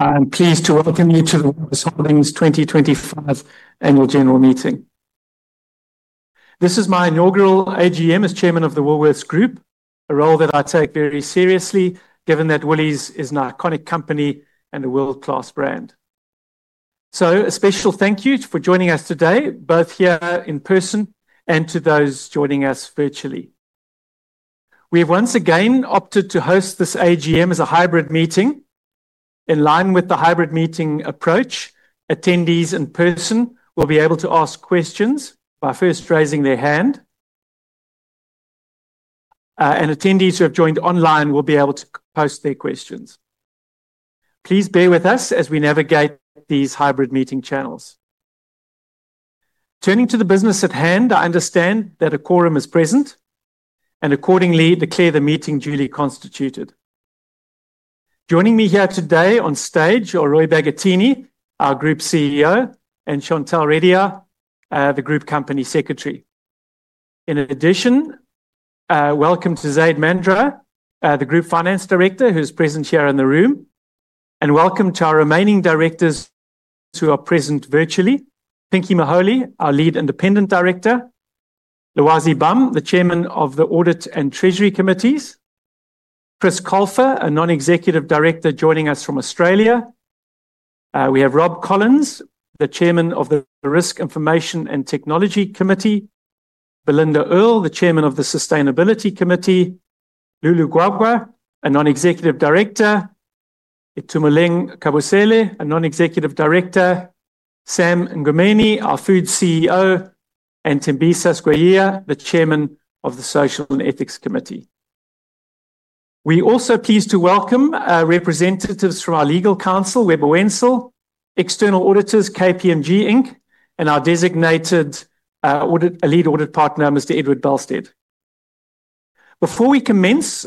I'm pleased to welcome you to the Woolworths Holdings 2025 Annual General Meeting. This is my inaugural AGM as Chairman of the Woolworths Group, a role that I take very seriously, given that Woolies is an iconic company and a world-class brand. A special thank you for joining us today, both here in person and to those joining us virtually. We have once again opted to host this AGM as a hybrid meeting. In line with the hybrid meeting approach, attendees in person will be able to ask questions by first raising their hand, and attendees who have joined online will be able to post their questions. Please bear with us as we navigate these hybrid meeting channels. Turning to the business at hand, I understand that a quorum is present, and accordingly, declare the meeting duly constituted. Joining me here today on stage are Roy Bagattini, our Group CEO; and Chantel Reddiar, the Group Company Secretary. In addition, welcome to Zaid Manjra, the Group Finance Director, who is present here in the room, and welcome to our remaining directors who are present virtually: Pinky Moholi, our Lead Independent Director; Lwazi Bam, the Chairman of the Audit and Treasury Committees; Chris Colfer, a Non-Executive Director joining us from Australia; we have Rob Collins, the Chairman of the Risk, Information and Technology Committee; Belinda Earle, the Chairman of the Sustainability Committee; Lulu Gwagwa, a Non-Executive Director; Itumeleng Kgaboesele, a Non-Executive Director; Sam Ngumeni, our Food CEO; and Thembisa Skweyiya, the Chairman of the Social and Ethics Committee. We are also pleased to welcome representatives from our Legal Counsel, Webber Wentzel; External Auditors, KPMG Inc; and our designated Lead Audit Partner, Mr. Edward Belstead. Before we commence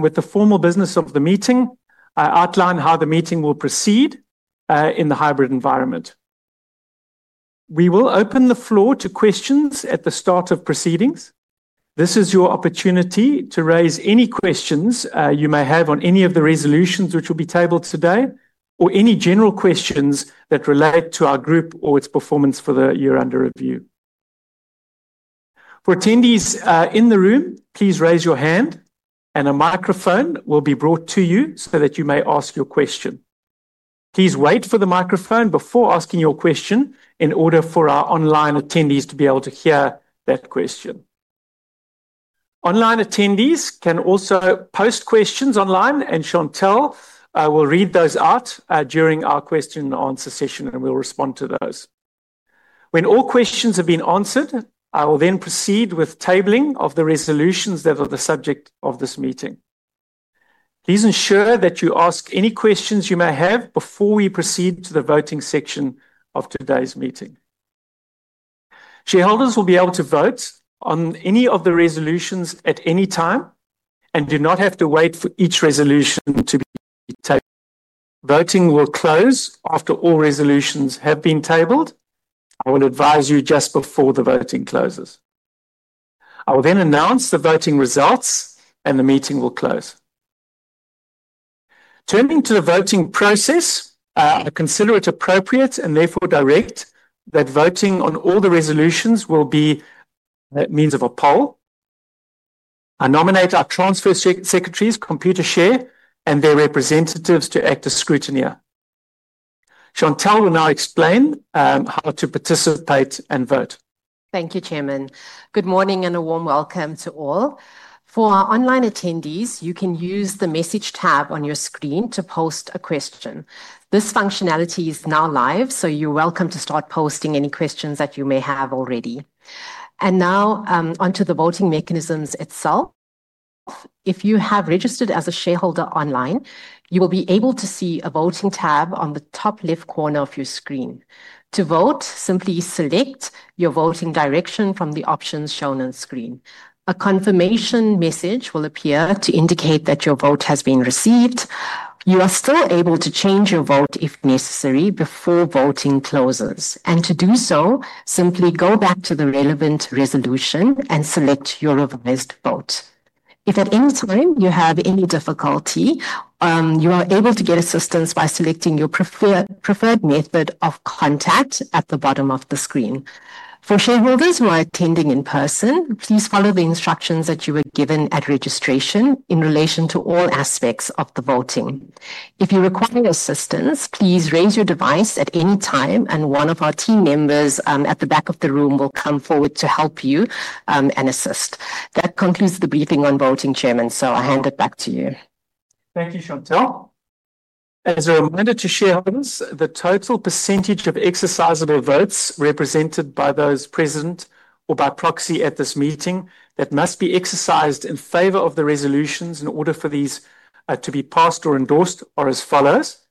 with the formal business of the meeting, I outline how the meeting will proceed in the hybrid environment. We will open the floor to questions at the start of proceedings. This is your opportunity to raise any questions you may have on any of the resolutions which will be tabled today, or any general questions that relate to our group or its performance for the year under review. For attendees in the room, please raise your hand, and a microphone will be brought to you so that you may ask your question. Please wait for the microphone before asking your question in order for our online attendees to be able to hear that question. Online attendees can also post questions online, and Chantel will read those out during our question-and-answer session, and we'll respond to those. When all questions have been answered, I will then proceed with tabling of the resolutions that are the subject of this meeting. Please ensure that you ask any questions you may have before we proceed to the voting section of today's meeting. Shareholders will be able to vote on any of the resolutions at any time and do not have to wait for each resolution to be tabled. Voting will close after all resolutions have been tabled. I will advise you just before the voting closes. I will then announce the voting results, and the meeting will close. Turning to the voting process, I consider it appropriate and therefore direct that voting on all the resolutions will be by means of a poll. I nominate our Transfer Secretaries, Computershare, and their representatives to act as scrutineer. Chantel will now explain how to participate and vote. Thank you, Chairman. Good morning and a warm welcome to all. For our online attendees, you can use the message tab on your screen to post a question. This functionality is now live, so you're welcome to start posting any questions that you may have already. Now onto the voting mechanisms itself. If you have registered as a shareholder online, you will be able to see a voting tab on the top left corner of your screen. To vote, simply select your voting direction from the options shown on screen. A confirmation message will appear to indicate that your vote has been received. You are still able to change your vote if necessary before voting closes. To do so, simply go back to the relevant resolution and select your revised vote. If at any time you have any difficulty, you are able to get assistance by selecting your preferred method of contact at the bottom of the screen. For shareholders who are attending in person, please follow the instructions that you were given at registration in relation to all aspects of the voting. If you require assistance, please raise your device at any time, and one of our team members at the back of the room will come forward to help you and assist. That concludes the briefing on voting, Chairman, so I hand it back to you. Thank you, Chantel. As a reminder to shareholders, the total percentage of exercisable votes represented by those present or by proxy at this meeting must be exercised in favor of the resolutions in order for these to be passed or endorsed, or as follows.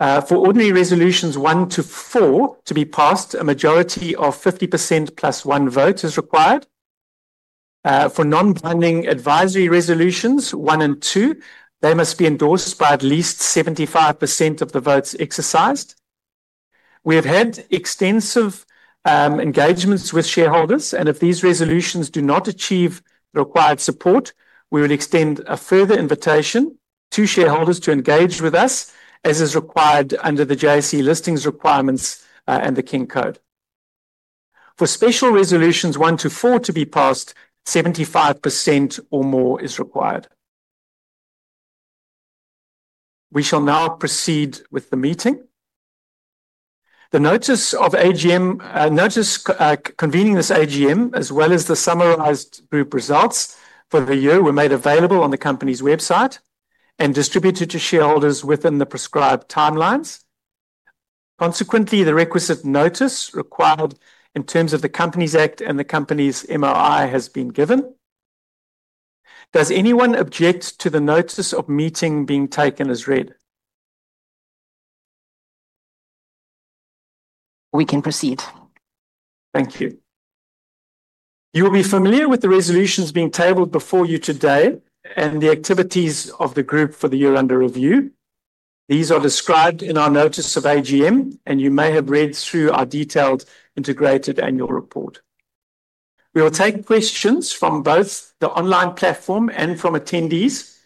For ordinary resolutions one to four to be passed, a majority of 50% plus one vote is required. For non-binding advisory resolutions one and two, they must be endorsed by at least 75% of the votes exercised. We have had extensive engagements with shareholders, and if these resolutions do not achieve the required support, we will extend a further invitation to shareholders to engage with us, as is required under the JSE Listings requirements and the King Code. For special resolutions one to four to be passed, 75% or more is required. We shall now proceed with the meeting. The Notice of AGM, notice convening this AGM, as well as the summarized group results for the year, were made available on the company's website and distributed to shareholders within the prescribed timelines. Consequently, the requisite notice required in terms of the Companies Act and the company's MOI has been given. Does anyone object to the notice of meeting being taken as read? We can proceed. Thank you. You will be familiar with the resolutions being tabled before you today and the activities of the group for the year under review. These are described in our Notice of AGM, and you may have read through our detailed Integrated Annual Report. We will take questions from both the online platform and from attendees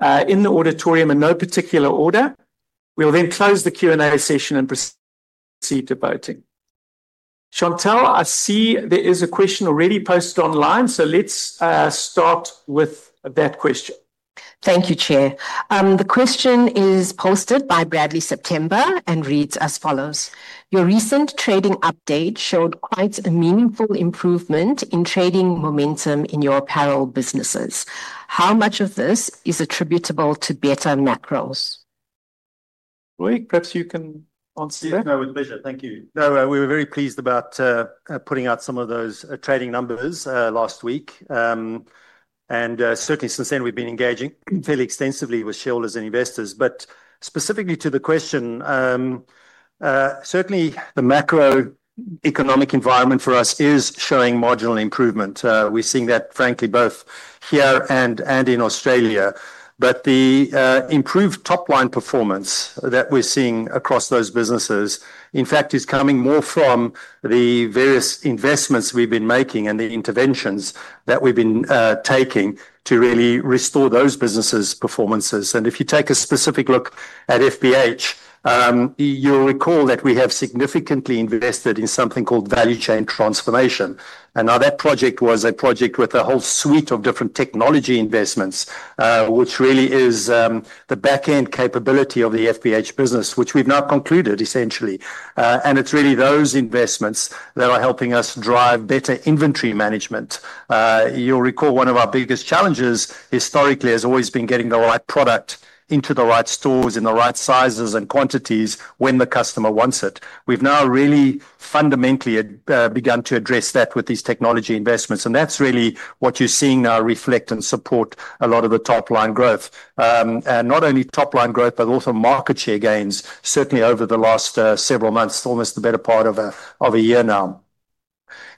in the auditorium in no particular order. We will then close the Q&A session and proceed to voting. Chantel, I see there is a question already posted online, so let's start with that question. Thank you, Chair. The question is posted by Bradley September and reads as follows: Your recent trading update showed quite a meaningful improvement in trading momentum in your apparel businesses. How much of this is attributable to better macros? Roy, perhaps you can answer that. Yes, no, with pleasure. Thank you. No, we were very pleased about putting out some of those trading numbers last week. Certainly since then, we've been engaging fairly extensively with shareholders and investors. Specifically to the question, certainly the macroeconomic environment for us is showing marginal improvement. We're seeing that, frankly, both here and in Australia. The improved top-line performance that we're seeing across those businesses, in fact, is coming more from the various investments we've been making and the interventions that we've been taking to really restore those businesses' performances. If you take a specific look at FBH, you'll recall that we have significantly invested in something called value chain transformation. That project was a project with a whole suite of different technology investments, which really is the back-end capability of the FBH business, which we've now concluded, essentially. It is really those investments that are helping us drive better inventory management. You'll recall one of our biggest challenges historically has always been getting the right product into the right stores in the right sizes and quantities when the customer wants it. We've now really fundamentally begun to address that with these technology investments. That is really what you're seeing now reflect and support a lot of the top-line growth. Not only top-line growth, but also market share gains, certainly over the last several months, almost the better part of a year now.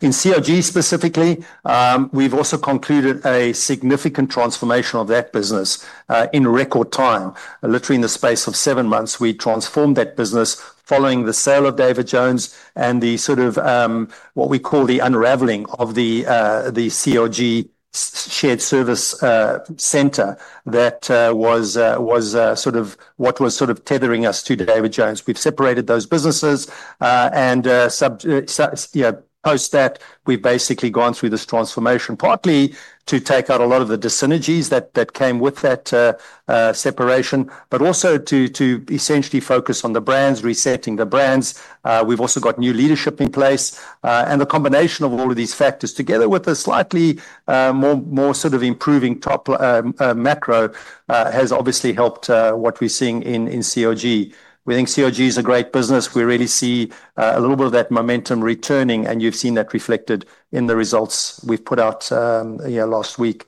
In CRG specifically, we've also concluded a significant transformation of that business in record time. Literally, in the space of seven months, we transformed that business following the sale of David Jones and the sort of what we call the unravelling of the CRG shared service center that was sort of what was sort of tethering us to David Jones. We have separated those businesses, and post that, we have basically gone through this transformation, partly to take out a lot of the dyssynergies that came with that separation, but also to essentially focus on the brands, resetting the brands. We have also got new leadership in place. The combination of all of these factors together with a slightly more sort of improving top macro has obviously helped what we are seeing in CRG. We think CRG is a great business. We really see a little bit of that momentum returning, and you have seen that reflected in the results we put out last week.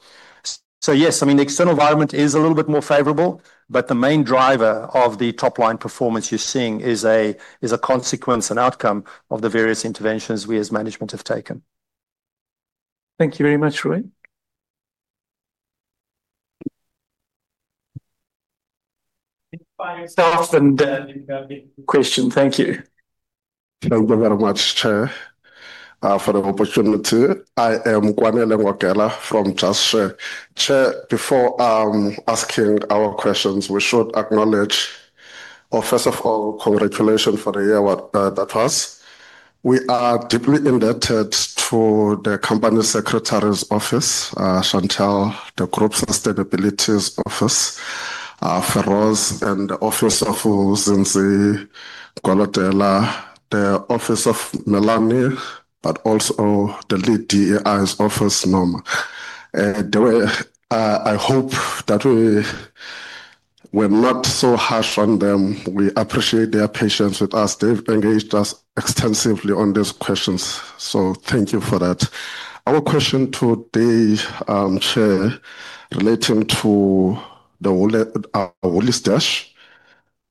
Yes, I mean, the external environment is a little bit more favorable, but the main driver of the top-line performance you're seeing is a consequence, an outcome of the various interventions we as management have taken. Thank you very much, Roy. Find yourself and question. Thank you. Thank you very much, Chair, for the opportunity. I am Kwanele Ngogela from Just Share. Chair, before asking our questions, we should acknowledge, or first of all, congratulations for the year that passed. We are deeply indebted to the Company Secretary's office, Chantel, the Group Sustainability's office, Feroz, the Office of Melanie, but also the Lead DEI's office, Nom. I hope that we're not so harsh on them. We appreciate their patience with us. They've engaged us extensively on these questions, so thank you for that. Our question to the Chair relating to the Woolies Dash.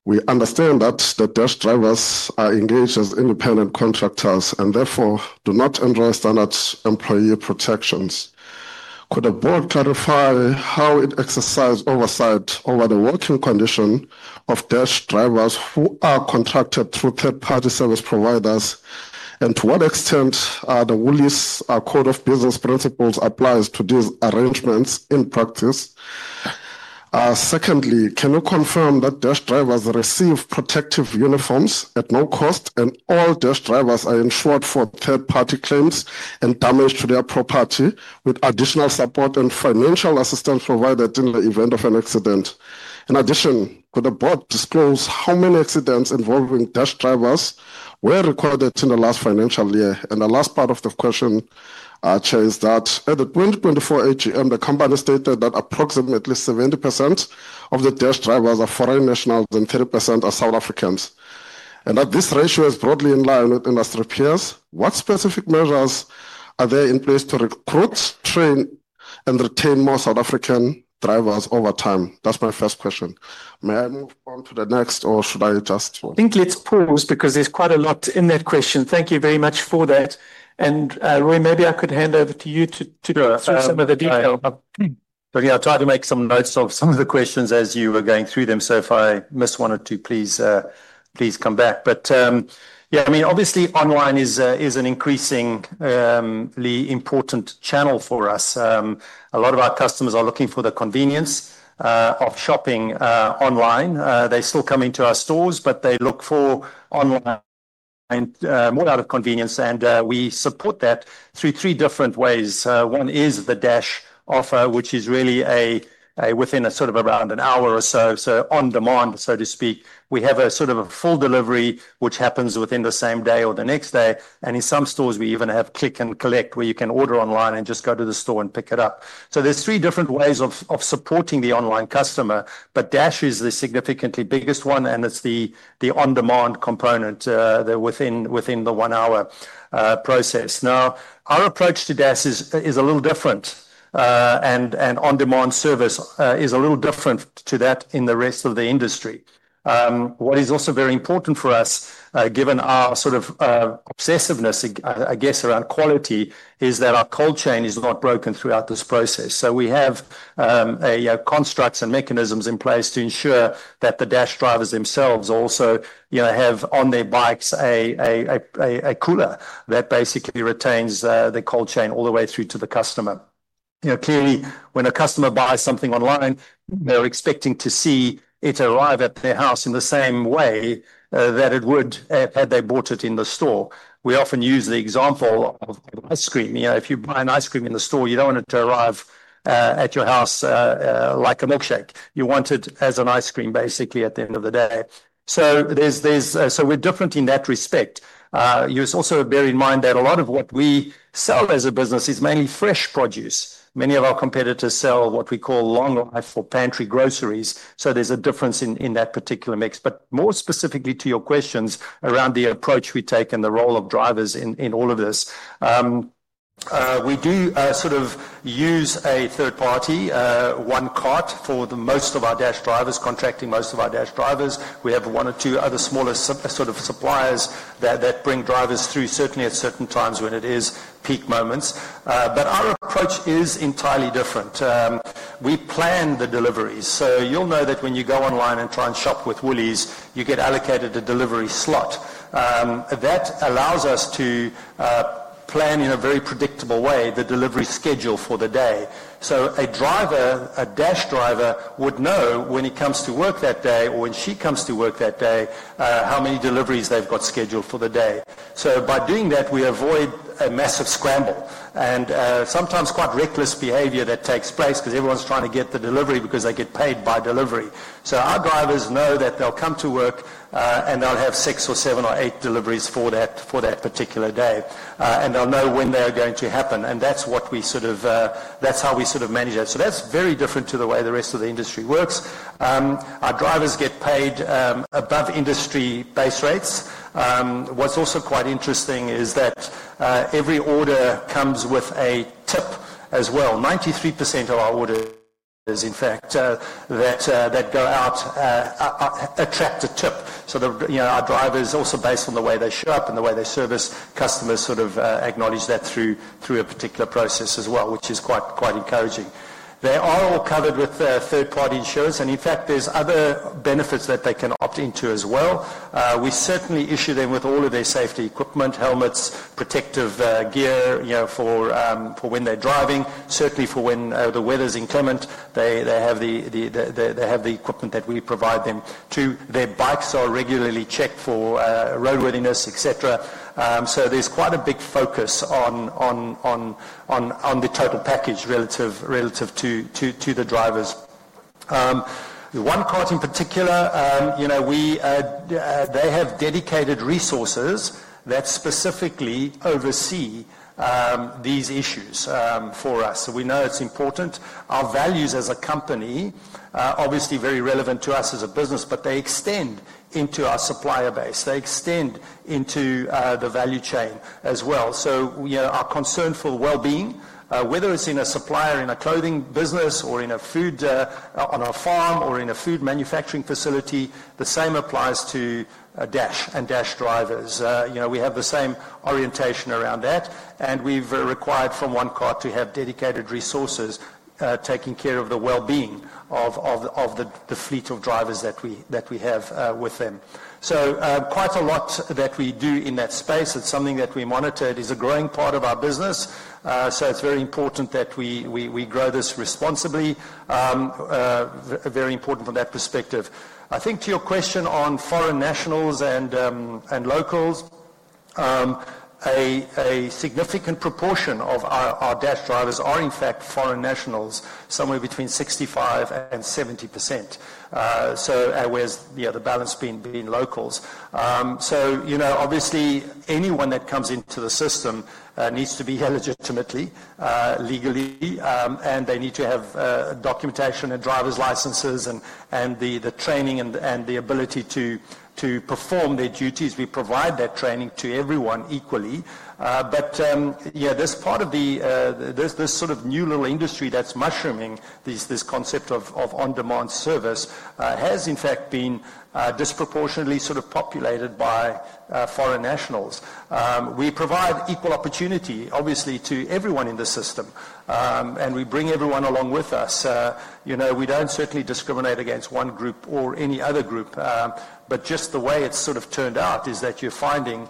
We understand that the Dash drivers are engaged as independent contractors and therefore do not enjoy standard employee protections. Could the Board clarify how it exercised oversight over the working condition of Dash drivers who are contracted through third-party service providers, and to what extent the Woolies Code of Business Principles applies to these arrangements in practice? Secondly, can you confirm that Dash drivers receive protective uniforms at no cost, and all Dash drivers are insured for third-party claims and damage to their property, with additional support and financial assistance provided in the event of an accident? In addition, could the Board disclose how many accidents involving Dash drivers were recorded in the last financial year? The last part of the question, Chair, is that at the 2024 AGM, the company stated that approximately 70% of the Dash drivers are foreign nationals and 30% are South Africans, and that this ratio is broadly in line with industry peers. What specific measures are there in place to recruit, train, and retain more South African drivers over time? That's my first question. May I move on to the next, or should I just? I think let's pause because there's quite a lot in that question. Thank you very much for that. Roy, maybe I could hand over to you to talk through some of the detail. Sure. Yeah, I tried to make some notes of some of the questions as you were going through them, so if I miss one or two, please come back. Yeah, I mean, obviously online is an increasingly important channel for us. A lot of our customers are looking for the convenience of shopping online. They still come into our stores, but they look for online more out of convenience. We support that through three different ways. One is the Dash offer, which is really within a sort of around an hour or so, so on demand, so to speak. We have a sort of a full delivery, which happens within the same day or the next day. In some stores, we even have click and collect, where you can order online and just go to the store and pick it up. There are three different ways of supporting the online customer, but Dash is the significantly biggest one, and it is the on-demand component within the one-hour process. Now, our approach to Dash is a little different, and on-demand service is a little different to that in the rest of the industry. What is also very important for us, given our sort of obsessiveness, I guess, around quality, is that our cold chain is not broken throughout this process. We have constructs and mechanisms in place to ensure that the Dash drivers themselves also have on their bikes a cooler that basically retains the cold chain all the way through to the customer. Clearly, when a customer buys something online, they are expecting to see it arrive at their house in the same way that it would have had they bought it in the store. We often use the example of ice cream. If you buy an ice cream in the store, you don't want it to arrive at your house like a milkshake. You want it as an ice cream, basically, at the end of the day. We are different in that respect. You also bear in mind that a lot of what we sell as a business is mainly fresh produce. Many of our competitors sell what we call long life or pantry groceries. There is a difference in that particular mix. More specifically to your questions around the approach we take and the role of drivers in all of this, we do sort of use a third-party OneCart for most of our Dash drivers, contracting most of our Dash drivers. We have one or two other smaller sort of suppliers that bring drivers through, certainly at certain times when it is peak moments. Our approach is entirely different. We plan the deliveries. You will know that when you go online and try and shop with Woolies, you get allocated a delivery slot. That allows us to plan in a very predictable way the delivery schedule for the day. A driver, a Dash driver, would know when he comes to work that day or when she comes to work that day how many deliveries they have got scheduled for the day. By doing that, we avoid a massive scramble and sometimes quite reckless behavior that takes place because everyone is trying to get the delivery because they get paid by delivery. Our drivers know that they'll come to work and they'll have six or seven or eight deliveries for that particular day. They'll know when they're going to happen. That's how we sort of manage that. That's very different to the way the rest of the industry works. Our drivers get paid above industry base rates. What's also quite interesting is that every order comes with a tip as well. 93% of our orders, in fact, that go out attract a tip. Our drivers, also based on the way they show up and the way they service customers, sort of acknowledge that through a particular process as well, which is quite encouraging. They are all covered with third-party insurance. In fact, there are other benefits that they can opt into as well. We certainly issue them with all of their safety equipment, helmets, protective gear for when they're driving, certainly for when the weather's inclement. They have the equipment that we provide them too. Their bikes are regularly checked for roadworthiness, etc. There is quite a big focus on the total package relative to the drivers. The OneCart in particular, they have dedicated resources that specifically oversee these issues for us. We know it's important. Our values as a company, obviously very relevant to us as a business, but they extend into our supplier base. They extend into the value chain as well. Our concern for well-being, whether it's in a supplier in a clothing business or in a food on a farm or in a food manufacturing facility, the same applies to Dash and Dash drivers. We have the same orientation around that. We have required from OneCart to have dedicated resources taking care of the well-being of the fleet of drivers that we have with them. Quite a lot that we do in that space, it's something that we monitor, is a growing part of our business. It is very important that we grow this responsibly, very important from that perspective. I think to your question on foreign nationals and locals, a significant proportion of our Dash drivers are, in fact, foreign nationals, somewhere between 65%-70%, with the balance being locals. Obviously, anyone that comes into the system needs to be held legitimately, legally, and they need to have documentation and driver's licenses and the training and the ability to perform their duties. We provide that training to everyone equally. Yeah, this part of this sort of new little industry that's mushrooming, this concept of on-demand service has, in fact, been disproportionately sort of populated by foreign nationals. We provide equal opportunity, obviously, to everyone in the system, and we bring everyone along with us. We don't certainly discriminate against one group or any other group, but just the way it's sort of turned out is that you're finding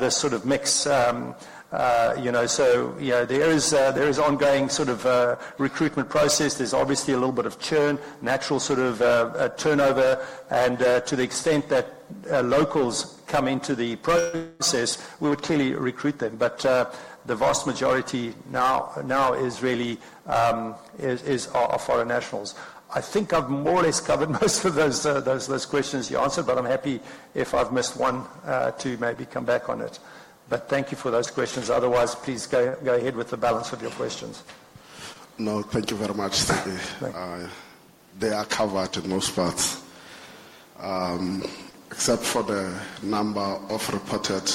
this sort of mix. There is ongoing sort of recruitment process. There's obviously a little bit of churn, natural sort of turnover. To the extent that locals come into the process, we would clearly recruit them. The vast majority now is really foreign nationals. I think I've more or less covered most of those questions you answered, but I'm happy if I've missed one to maybe come back on it. Thank you for those questions. Otherwise, please go ahead with the balance of your questions. No, thank you very much. They are covered in most parts, except for the number of reported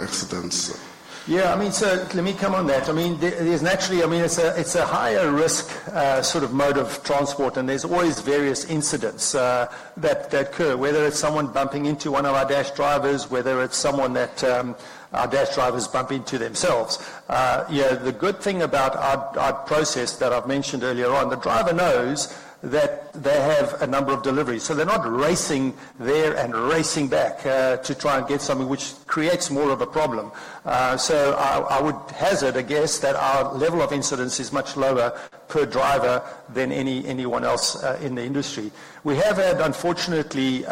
accidents. Yeah, I mean, let me come on that. I mean, there's naturally, I mean, it's a higher risk sort of mode of transport, and there's always various incidents that occur, whether it's someone bumping into one of our Dash drivers, whether it's someone that our Dash drivers bump into themselves. The good thing about our process that I've mentioned earlier on, the driver knows that they have a number of deliveries. They are not racing there and racing back to try and get something, which creates more of a problem. I would hazard a guess that our level of incidence is much lower per driver than anyone else in the industry. We have had, unfortunately,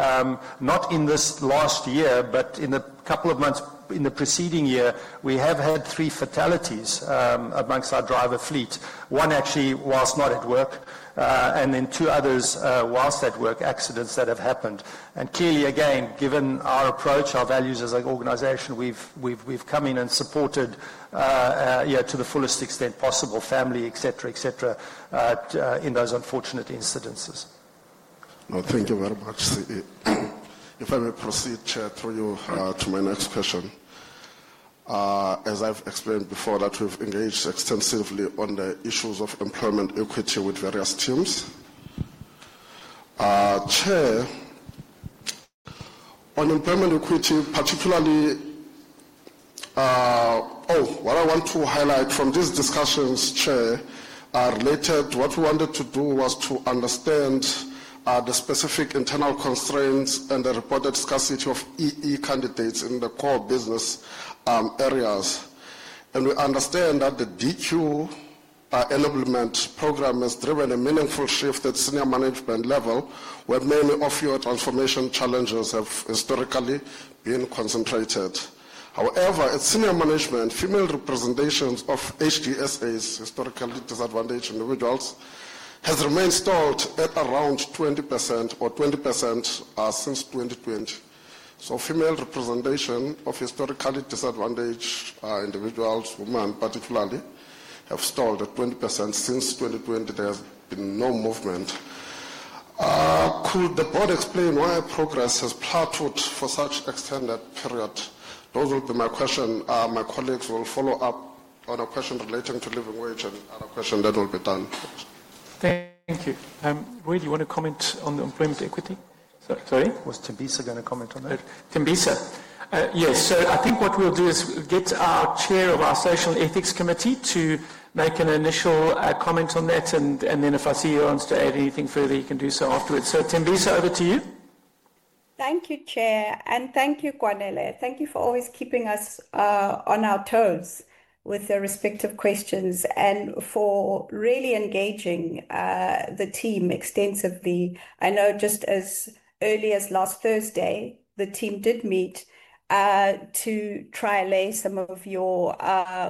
not in this last year, but in the couple of months in the preceding year, we have had three fatalities amongst our driver fleet. One, actually, whilst not at work, and then two others whilst at work, accidents that have happened. Clearly, again, given our approach, our values as an organization, we've come in and supported to the fullest extent possible, family, etc., etc., in those unfortunate incidences. No, thank you very much. If I may proceed, Chair, to my next question. As I've explained before, that we've engaged extensively on the issues of employment equity with various teams. Chair, on employment equity, particularly, oh, what I want to highlight from these discussions, Chair, are related to what we wanted to do was to understand the specific internal constraints and the reported scarcity of EE candidates in the core business areas. We understand that the DQ enablement program has driven a meaningful shift at senior management level, where many of your transformation challenges have historically been concentrated. However, at senior management, female representations of HDSAs, historically disadvantaged individuals, have remained stalled at around 20% or 20% since 2020. So female representation of historically disadvantaged individuals, women particularly, have stalled at 20% since 2020. There has been no movement. Could the Board explain why progress has plateaued for such extended period? Those will be my questions. My colleagues will follow up on a question relating to living wage and other questions that will be done. Thank you. Roy, do you want to comment on the employment equity? Sorry? Was Thembisa going to comment on that? Thembisa. Yes. I think what we'll do is get our Chair of our Social and Ethics Committee to make an initial comment on that. If I see you want to add anything further, you can do so afterwards. Thembisa, over to you. Thank you, Chair. Thank you, Kwanele. Thank you for always keeping us on our toes with the respective questions and for really engaging the team extensively. I know just as early as last Thursday, the team did meet to trial some of your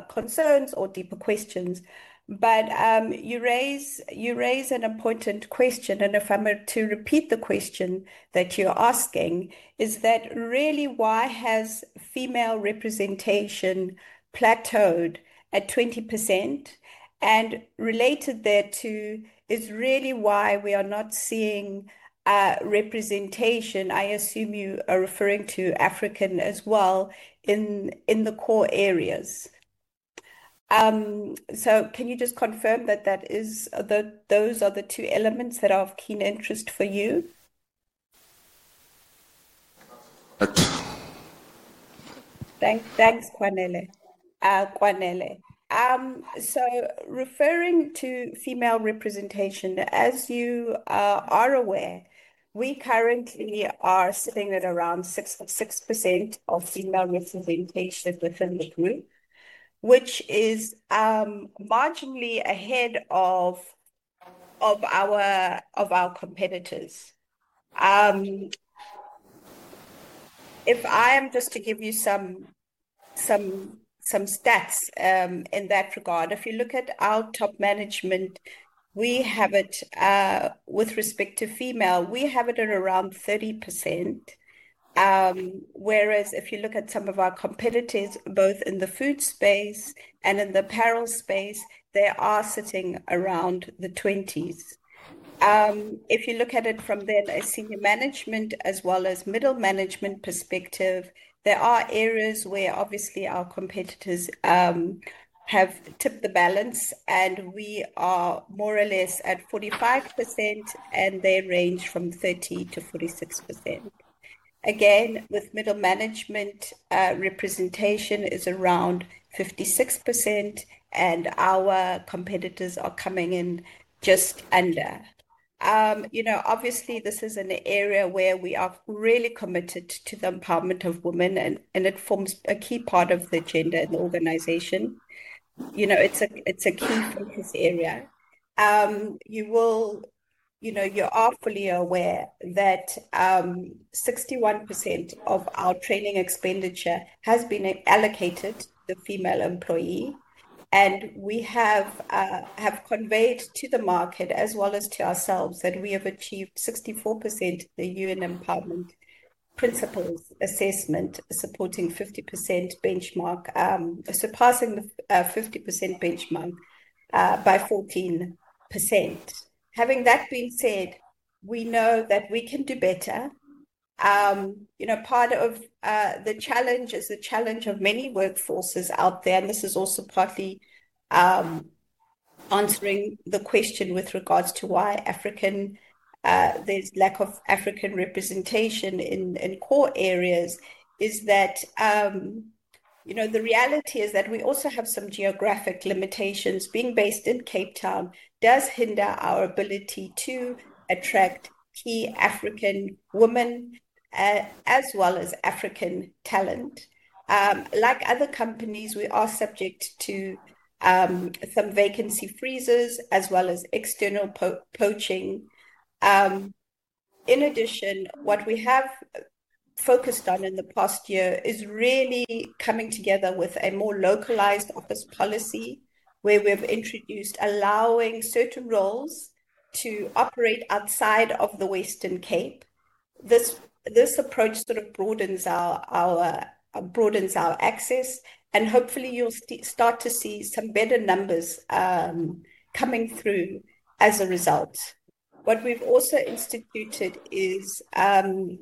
concerns or deeper questions. You raise an important question. If I'm to repeat the question that you're asking, is that really why has female representation plateaued at 20%? Related thereto is really why we are not seeing representation, I assume you are referring to African as well, in the core areas. Can you just confirm that those are the two elements that are of keen interest for you? Thanks, Kwanele. Referring to female representation, as you are aware, we currently are sitting at around 6% of female representation within the group, which is marginally ahead of our competitors. If I am just to give you some stats in that regard, if you look at our top management, we have it with respect to female, we have it at around 30%. Whereas if you look at some of our competitors, both in the food space and in the apparel space, they are sitting around the 20s. If you look at it from their senior management as well as middle management perspective, there are areas where obviously our competitors have tipped the balance, and we are more or less at 45%, and they range from 30%-46%. Again, with middle management, representation is around 56%, and our competitors are coming in just under. Obviously, this is an area where we are really committed to the empowerment of women, and it forms a key part of the agenda in the organisation. It's a key focus area. You're awfully aware that 61% of our training expenditure has been allocated to the female employee. We have conveyed to the market as well as to ourselves that we have achieved 64% in the UN Empowerment Principles Assessment, supporting the 50% benchmark, surpassing the 50% benchmark by 14%. Having that being said, we know that we can do better. Part of the challenge is the challenge of many workforces out there. This is also partly answering the question with regards to why there is lack of African representation in core areas, is that the reality is that we also have some geographic limitations. Being based in Cape Town does hinder our ability to attract key African women as well as African talent. Like other companies, we are subject to some vacancy freezes as well as external poaching. In addition, what we have focused on in the past year is really coming together with a more localized office policy where we have introduced allowing certain roles to operate outside of the Western Cape. This approach sort of broadens our access, and hopefully, you'll start to see some better numbers coming through as a result. What we've also instituted is aligning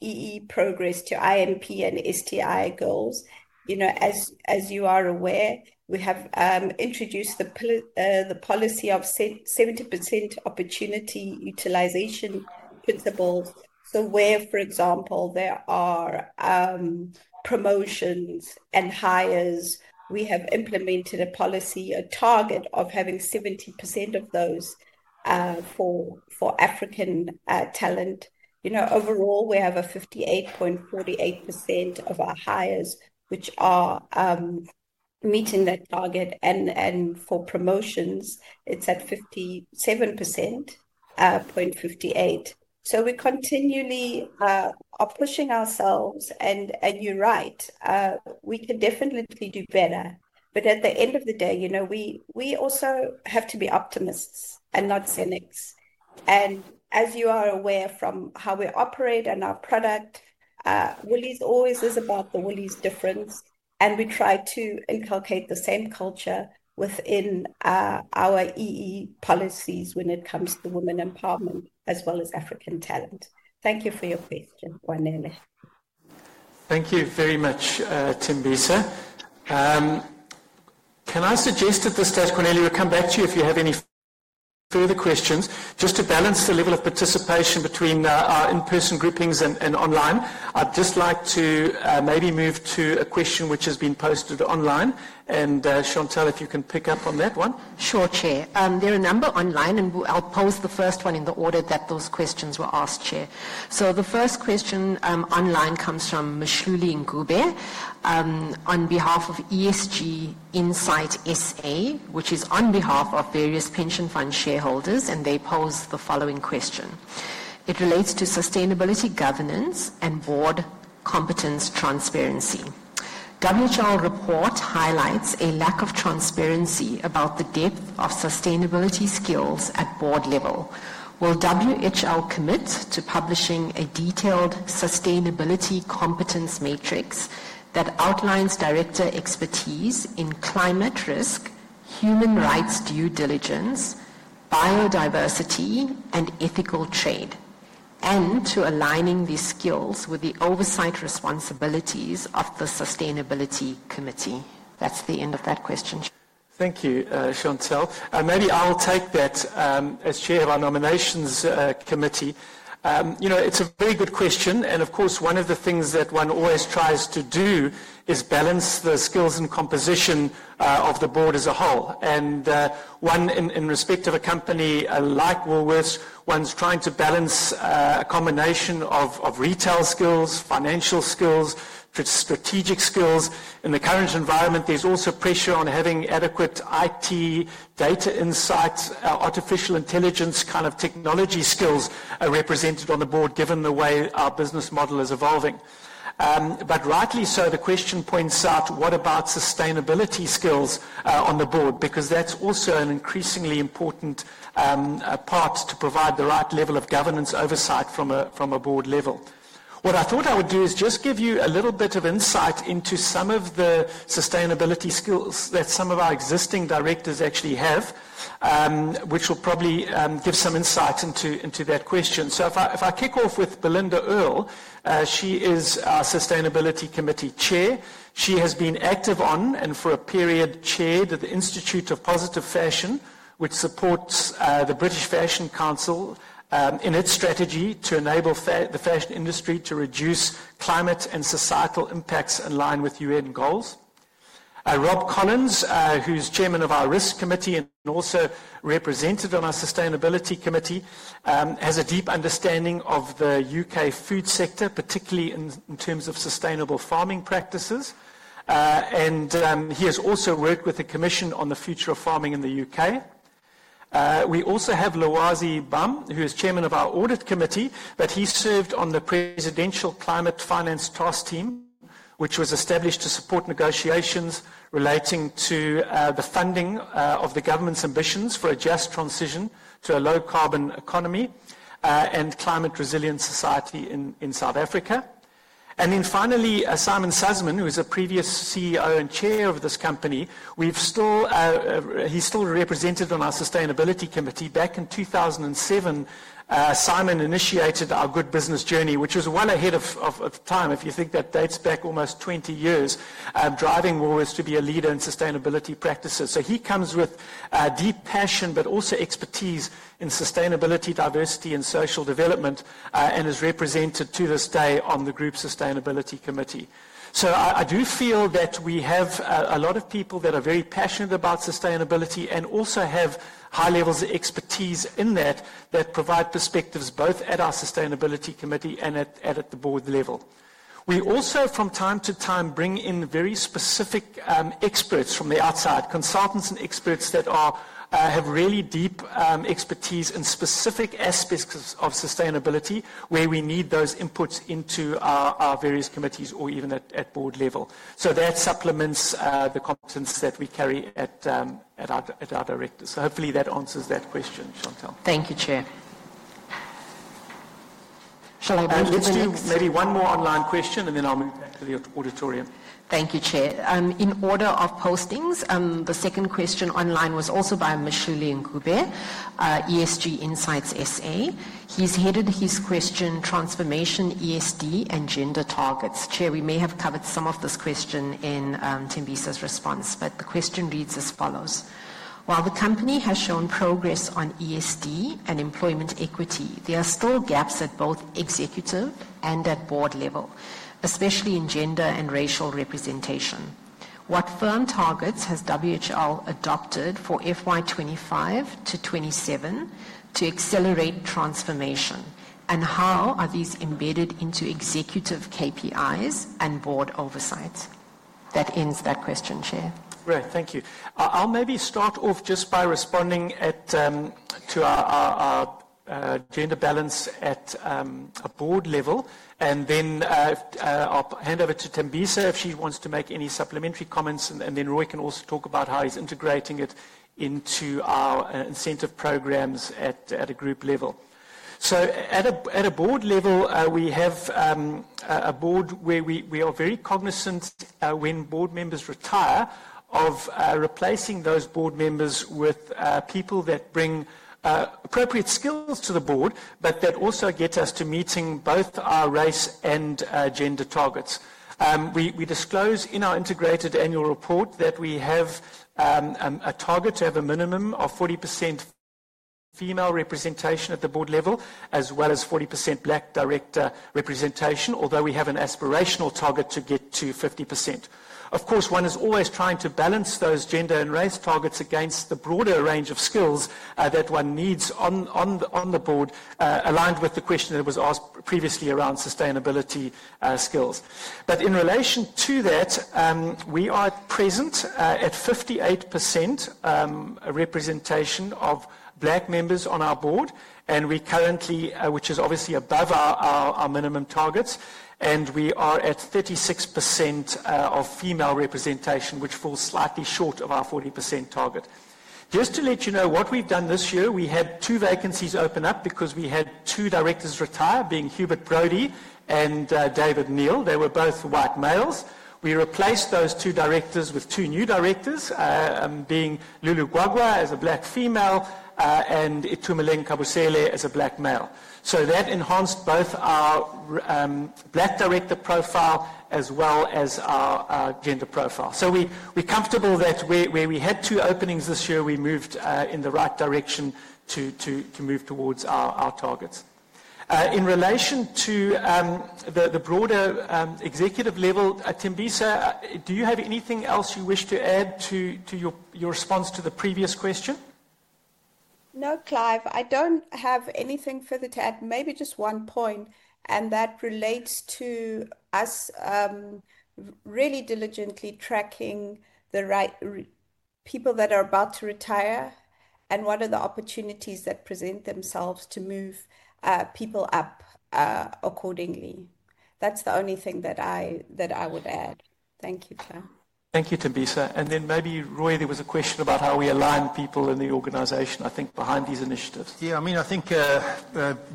EE progress to IMP and STI goals. As you are aware, we have introduced the policy of 70% opportunity utilization principles. So where, for example, there are promotions and hires, we have implemented a policy, a target of having 70% of those for African talent. Overall, we have 58.48% of our hires which are meeting that target. For promotions, it's at 57.58%. We continually are pushing ourselves. You're right, we can definitely do better. At the end of the day, we also have to be optimists and not cynics. As you are aware from how we operate and our product, Woolies always is about the Woolies difference. We try to inculcate the same culture within our EE policies when it comes to women empowerment as well as African talent. Thank you for your question, Kwanele. Thank you very much, Thembisa. Can I suggest at this stage, Kwanele, we'll come back to you if you have any further questions, just to balance the level of participation between our in-person groupings and online? I'd just like to maybe move to a question which has been posted online. Chantel, if you can pick up on that one. Sure, Chair. There are a number online, and I'll pose the first one in the order that those questions were asked, Chair. The first question online comes from Mashluli Mncube on behalf of ESG Insight SA, which is on behalf of various pension fund shareholders. They pose the following question. It relates to sustainability governance and board competence transparency. WHL report highlights a lack of transparency about the depth of sustainability skills at board level. Will WHL commit to publishing a detailed sustainability competence matrix that outlines director expertise in climate risk, human rights due diligence, biodiversity, and ethical trade, and to aligning these skills with the oversight responsibilities of the Sustainability Committee? That's the end of that question, Chair. Thank you, Chantel. Maybe I'll take that as Chair of our Nominations Committee. It's a very good question. Of course, one of the things that one always tries to do is balance the skills and composition of the Board as a whole. In respect of a company like Woolworths, one's trying to balance a combination of retail skills, financial skills, strategic skills. In the current environment, there's also pressure on having adequate IT data insights, artificial intelligence kind of technology skills represented on the Board, given the way our business model is evolving. Rightly so, the question points out, what about sustainability skills on the Board? That's also an increasingly important part to provide the right level of governance oversight from a board level. What I thought I would do is just give you a little bit of insight into some of the sustainability skills that some of our existing directors actually have, which will probably give some insight into that question. If I kick off with Belinda Earl, she is our Sustainability Committee Chair. She has been active on and for a period chaired at the Institute of Positive Fashion, which supports the British Fashion Council in its strategy to enable the fashion industry to reduce climate and societal impacts in line with UN goals. Rob Collins, who's Chairman of our Risk Committee and also represented on our Sustainability Committee, has a deep understanding of the U.K. food sector, particularly in terms of sustainable farming practices. He has also worked with the Commission on the Future of Farming in the U.K. We also have Lwazi Bam, who is Chairman of our Audit Committee, but he served on the Presidential Climate Finance Task Team, which was established to support negotiations relating to the funding of the government's ambitions for a just transition to a low carbon economy and climate resilient society in South Africa. Finally, Simon Susman, who is a previous CEO and Chair of this company, is still represented on our Sustainability Committee. Back in 2007, Simon initiated our Good Business Journey, which was well ahead of time. If you think that dates back almost 20 years, driving Woolworths to be a leader in sustainability practices. He comes with deep passion, but also expertise in sustainability, diversity, and social development, and is represented to this day on the group's Sustainability Committee. I do feel that we have a lot of people that are very passionate about sustainability and also have high levels of expertise in that that provide perspectives both at our Sustainability Committee and at the Board level. We also, from time to time, bring in very specific experts from the outside, consultants and experts that have really deep expertise in specific aspects of sustainability where we need those inputs into our various committees or even at board level. That supplements the competence that we carry at our directors. Hopefully that answers that question, Chantel. Thank you, Chair. Shall I move to? Maybe one more online question, and then I'll move back to the auditorium? Thank you, Chair. In order of postings, the second question online was also by Mashluli Ncube, ESG Insight SA. He's headed his question, transformation ESD and gender targets. Chair, we may have covered some of this question in Thembisa's response, but the question reads as follows. While the company has shown progress on ESD and employment equity, there are still gaps at both executive and at board level, especially in gender and racial representation. What firm targets has WHL adopted for FY 2025 to FY 2027 to accelerate transformation, and how are these embedded into executive KPIs and board oversight? That ends that question, Chair. Great. Thank you. I'll maybe start off just by responding to our gender balance at a board level, and then I'll hand over to Thembisa if she wants to make any supplementary comments. Roy can also talk about how he's integrating it into our incentive programs at a group level. At a board level, we have a board where we are very cognizant when board members retire of replacing those board members with people that bring appropriate skills to the Board, but that also gets us to meeting both our race and gender targets. We disclose in our Integrated Annual Report that we have a target to have a minimum of 40% female representation at the Board level, as well as 40% Black director representation, although we have an aspirational target to get to 50%. Of course, one is always trying to balance those gender and race targets against the broader range of skills that one needs on the Board, aligned with the question that was asked previously around sustainability skills. In relation to that, we are present at 58% representation of Black members on our board, which is obviously above our minimum targets. We are at 36% of female representation, which falls slightly short of our 40% target. Just to let you know what we've done this year, we had two vacancies open up because we had two directors retire, being Hubert Brody and David Neil. They were both white males. We replaced those two directors with two new directors, being Lulu Gwagwa as a Black female and Itumeleng Kgaboesele as a Black male. That enhanced both our Black director profile as well as our gender profile. We're comfortable that where we had two openings this year, we moved in the right direction to move towards our targets. In relation to the broader executive level, Thembisa, do you have anything else you wish to add to your response to the previous question? No, Clive. I don't have anything further to add. Maybe just one point, and that relates to us really diligently tracking the right people that are about to retire and what are the opportunities that present themselves to move people up accordingly. That's the only thing that I would add. Thank you, Clive. Thank you, Thembisa. Maybe, Roy, there was a question about how we align people in the organisation, I think, behind these initiatives. Yeah, I mean, I think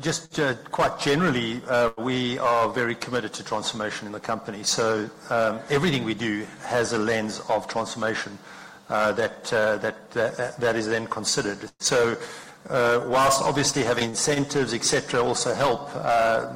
just quite generally, we are very committed to transformation in the company. Everything we do has a lens of transformation that is then considered. Whilst obviously having incentives, etc., also help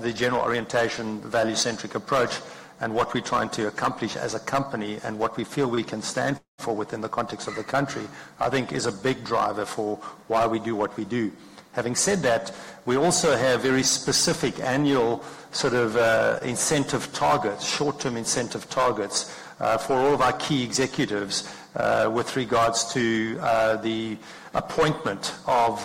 the general orientation, value-centric approach, and what we're trying to accomplish as a company and what we feel we can stand for within the context of the country, I think is a big driver for why we do what we do. Having said that, we also have very specific annual sort of incentive targets, short-term incentive targets for all of our key executives with regards to the appointment of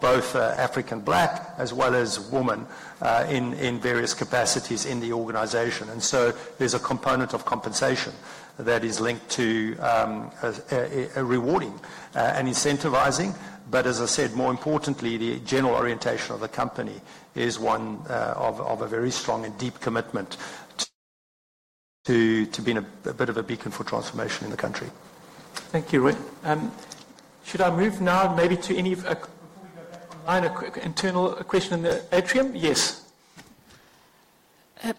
both African Black as well as women in various capacities in the organisation. There is a component of compensation that is linked to rewarding and incentivising. As I said, more importantly, the general orientation of the company is one of a very strong and deep commitment to being a bit of a beacon for transformation in the country. Thank you, Roy. Should I move now maybe to any of the internal questions in the atrium? Yes.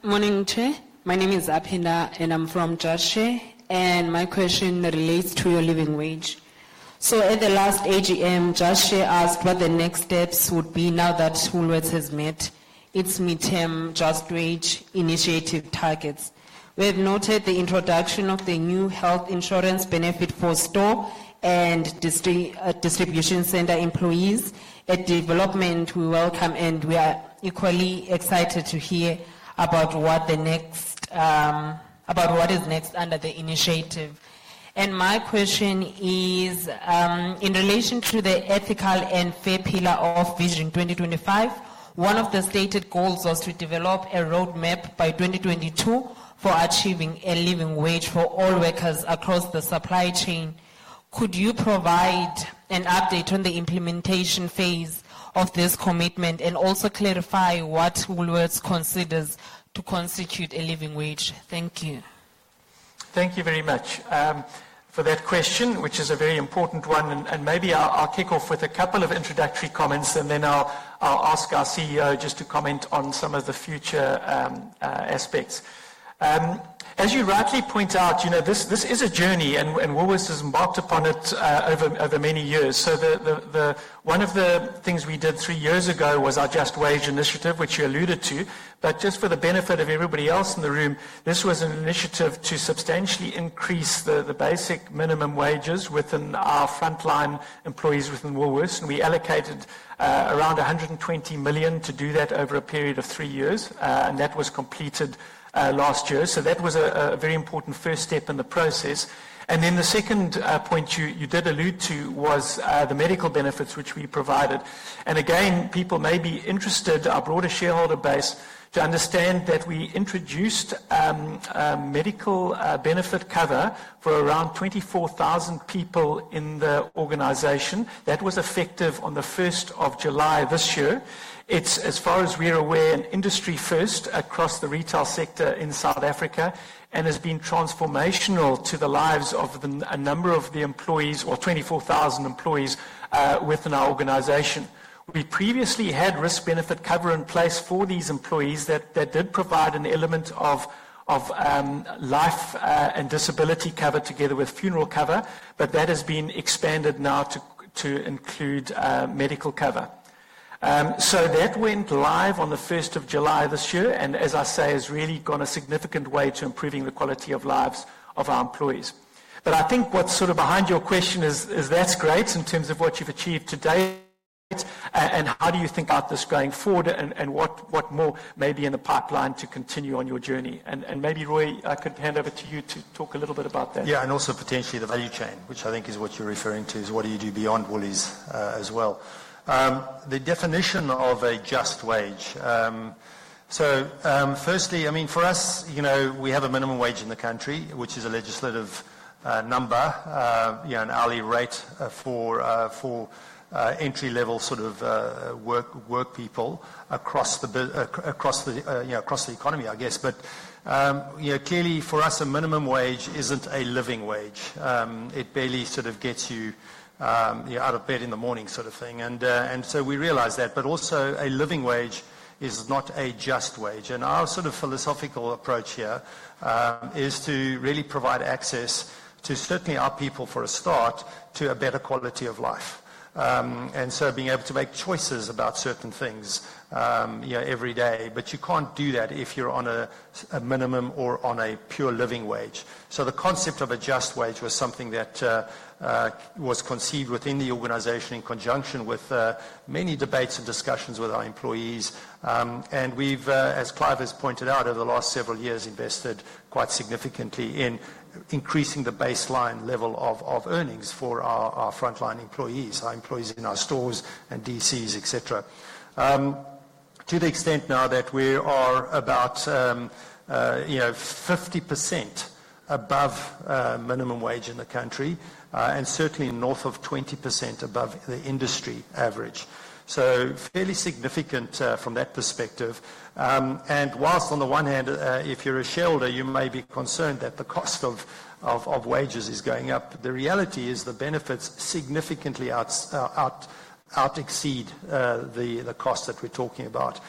Morning, Chair. My name is Aphinda, and I'm from Just Share. My question relates to your living wage. At the last AGM, Just Share asked what the next steps would be now that Woolworths has met its midterm Just Wage initiative targets. We have noted the introduction of the new health insurance benefit for store and distribution centre employees, a development we welcome, and we are equally excited to hear about what is next under the initiative. My question is, in relation to the ethical and fair pillar of Vision 2025, one of the stated goals was to develop a roadmap by 2022 for achieving a living wage for all workers across the supply chain. Could you provide an update on the implementation phase of this commitment and also clarify what Woolworths considers to constitute a living wage? Thank you. Thank you very much for that question, which is a very important one. Maybe I'll kick off with a couple of introductory comments, and then I'll ask our CEO just to comment on some of the future aspects. As you rightly point out, this is a journey, and Woolworths has embarked upon it over many years. One of the things we did three years ago was our Just Wage initiative, which you alluded to. Just for the benefit of everybody else in the room, this was an initiative to substantially increase the basic minimum wages within our frontline employees within Woolworths. We allocated around 120 million to do that over a period of three years, and that was completed last year. That was a very important first step in the process. The second point you did allude to was the medical benefits, which we provided. Again, people may be interested, our broader shareholder base, to understand that we introduced medical benefit cover for around 24,000 people in the organization. That was effective on the 1st of July this year. It's, as far as we're aware, an industry first across the retail sector in South Africa and has been transformational to the lives of a number of the employees, or 24,000 employees within our organization. We previously had risk-benefit cover in place for these employees that did provide an element of life and disability cover together with funeral cover, but that has been expanded now to include medical cover. That went live on the 1st of July this year, and as I say, has really gone a significant way to improving the quality of lives of our employees. I think what's sort of behind your question is that's great in terms of what you've achieved today, and how do you think about this going forward, and what more may be in the pipeline to continue on your journey? Maybe, Roy, I could hand over to you to talk a little bit about that. Yeah, and also potentially the value chain, which I think is what you're referring to, is what do you do beyond Woolies as well. The definition of a just wage. Firstly, I mean, for us, we have a minimum wage in the country, which is a legislative number, an hourly rate for entry-level sort of work people across the economy, I guess. Clearly, for us, a minimum wage isn't a living wage. It barely sort of gets you out of bed in the morning sort of thing. We realize that. Also, a living wage is not a just wage. Our sort of philosophical approach here is to really provide access to certainly our people, for a start, to a better quality of life. Being able to make choices about certain things every day. You can't do that if you're on a minimum or on a pure living wage. The concept of a just wage was something that was conceived within the organization in conjunction with many debates and discussions with our employees. We've, as Clive has pointed out, over the last several years, invested quite significantly in increasing the baseline level of earnings for our frontline employees, our employees in our stores and DCs, etc. To the extent now that we are about 50% above minimum wage in the country, and certainly north of 20% above the industry average. Fairly significant from that perspective. Whilst on the one hand, if you're a shareholder, you may be concerned that the cost of wages is going up, the reality is the benefits significantly out exceed the cost that we're talking about.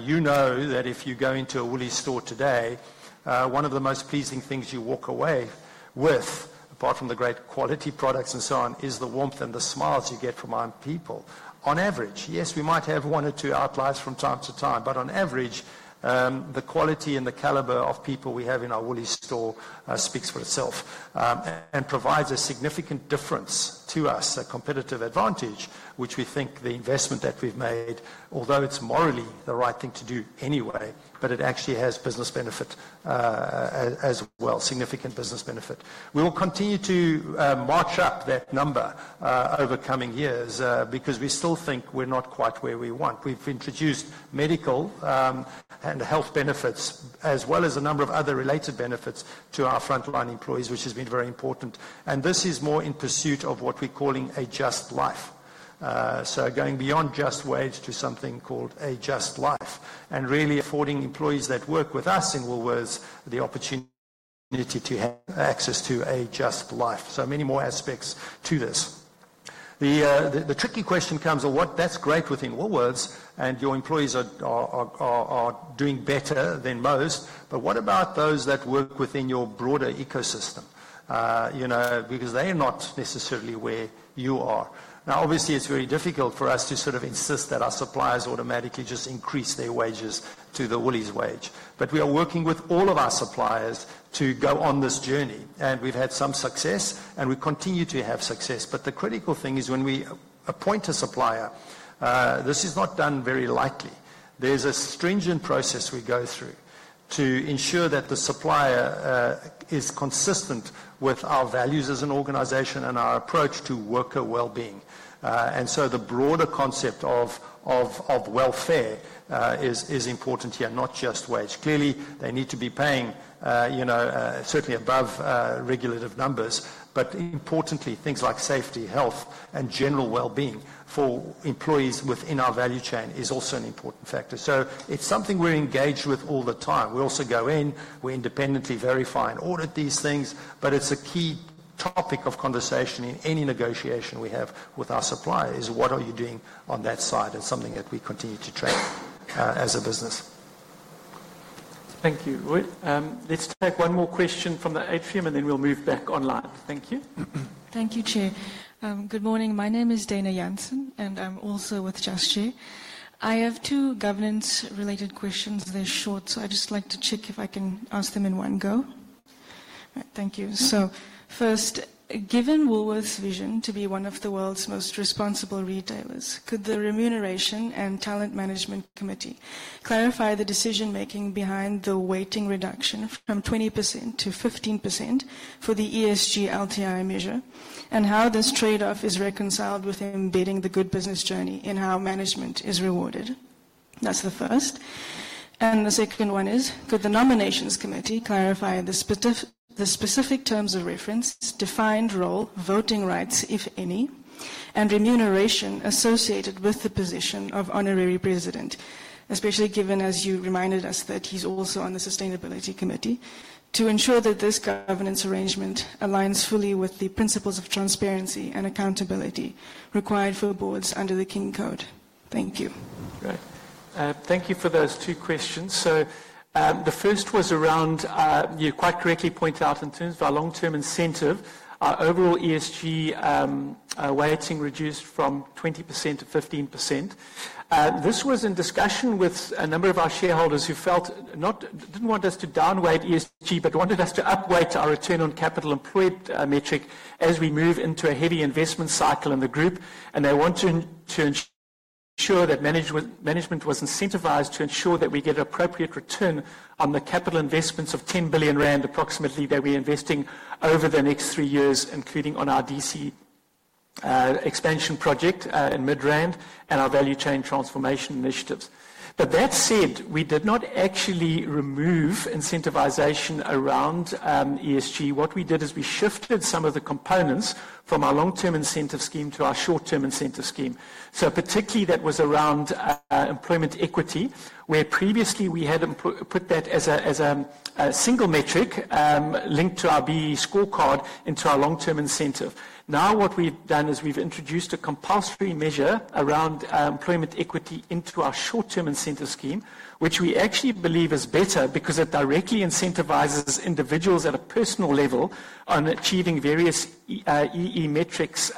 You know that if you go into a Woolies store today, one of the most pleasing things you walk away with, apart from the great quality products and so on, is the warmth and the smiles you get from our people. On average, yes, we might have one or two outliers from time to time, but on average, the quality and the calibre of people we have in our Woolies store speaks for itself and provides a significant difference to us, a competitive advantage, which we think the investment that we've made, although it's morally the right thing to do anyway, but it actually has business benefit as well, significant business benefit. We will continue to march up that number over coming years because we still think we're not quite where we want. We've introduced medical and health benefits, as well as a number of other related benefits to our frontline employees, which has been very important. This is more in pursuit of what we're calling a just life. Going beyond just wage to something called a just life, and really affording employees that work with us in Woolworths the opportunity to have access to a just life. There are many more aspects to this. The tricky question comes of what that's great within Woolworths, and your employees are doing better than most, but what about those that work within your broader ecosystem? They are not necessarily where you are. Obviously, it's very difficult for us to sort of insist that our suppliers automatically just increase their wages to the Woolies wage. We are working with all of our suppliers to go on this journey. We've had some success, and we continue to have success. The critical thing is when we appoint a supplier, this is not done very lightly. There's a stringent process we go through to ensure that the supplier is consistent with our values as an organization and our approach to worker well-being. The broader concept of welfare is important here, not just wage. Clearly, they need to be paying certainly above regulated numbers, but importantly, things like safety, health, and general well-being for employees within our value chain is also an important factor. It's something we're engaged with all the time. We also go in, we independently verify and audit these things, but it's a key topic of conversation in any negotiation we have with our suppliers, is what are you doing on that side, and something that we continue to train as a business. Thank you, Roy. Let's take one more question from the atrium, and then we'll move back online. Thank you. Thank you, Chair. Good morning. My name is Déna Jansen, and I'm also with Just Share. I have two governance-related questions. They're short, so I'd just like to check if I can ask them in one go. Thank you. First, given Woolworths' vision to be one of the world's most responsible retailers, could the Remuneration and Talent Management Committee clarify the decision-making behind the weighting reduction from 20% to 15% for the ESG LTI measure, and how this trade-off is reconciled with embedding the good business journey in how management is rewarded? That's the first. Could the Nominations Committee clarify the specific terms of reference, defined role, voting rights, if any, and remuneration associated with the position of honorary president, especially given, as you reminded us, that he's also on the Sustainability Committee, to ensure that this governance arrangement aligns fully with the principles of transparency and accountability required for boards under the King Code? Thank you. Great. Thank you for those two questions. The first was around, you quite correctly point out, in terms of our long-term incentive, our overall ESG weighting reduced from 20% to 15%. This was in discussion with a number of our shareholders who felt not didn't want us to downweight ESG, but wanted us to upweight our return on capital employed metric as we move into a heavy investment cycle in the group. They want to ensure that management was incentivised to ensure that we get appropriate return on the capital investments of 10 billion rand approximately that we're investing over the next three years, including on our DC expansion project in Midrand and our value chain transformation initiatives. That said, we did not actually remove incentivisation around ESG. What we did is we shifted some of the components from our long-term incentive scheme to our short-term incentive scheme. Particularly, that was around employment equity, where previously we had put that as a single metric linked to our BEE scorecard into our long-term incentive. Now what we have done is we have introduced a compulsory measure around employment equity into our short-term incentive scheme, which we actually believe is better because it directly incentivizes individuals at a personal level on achieving various EE metrics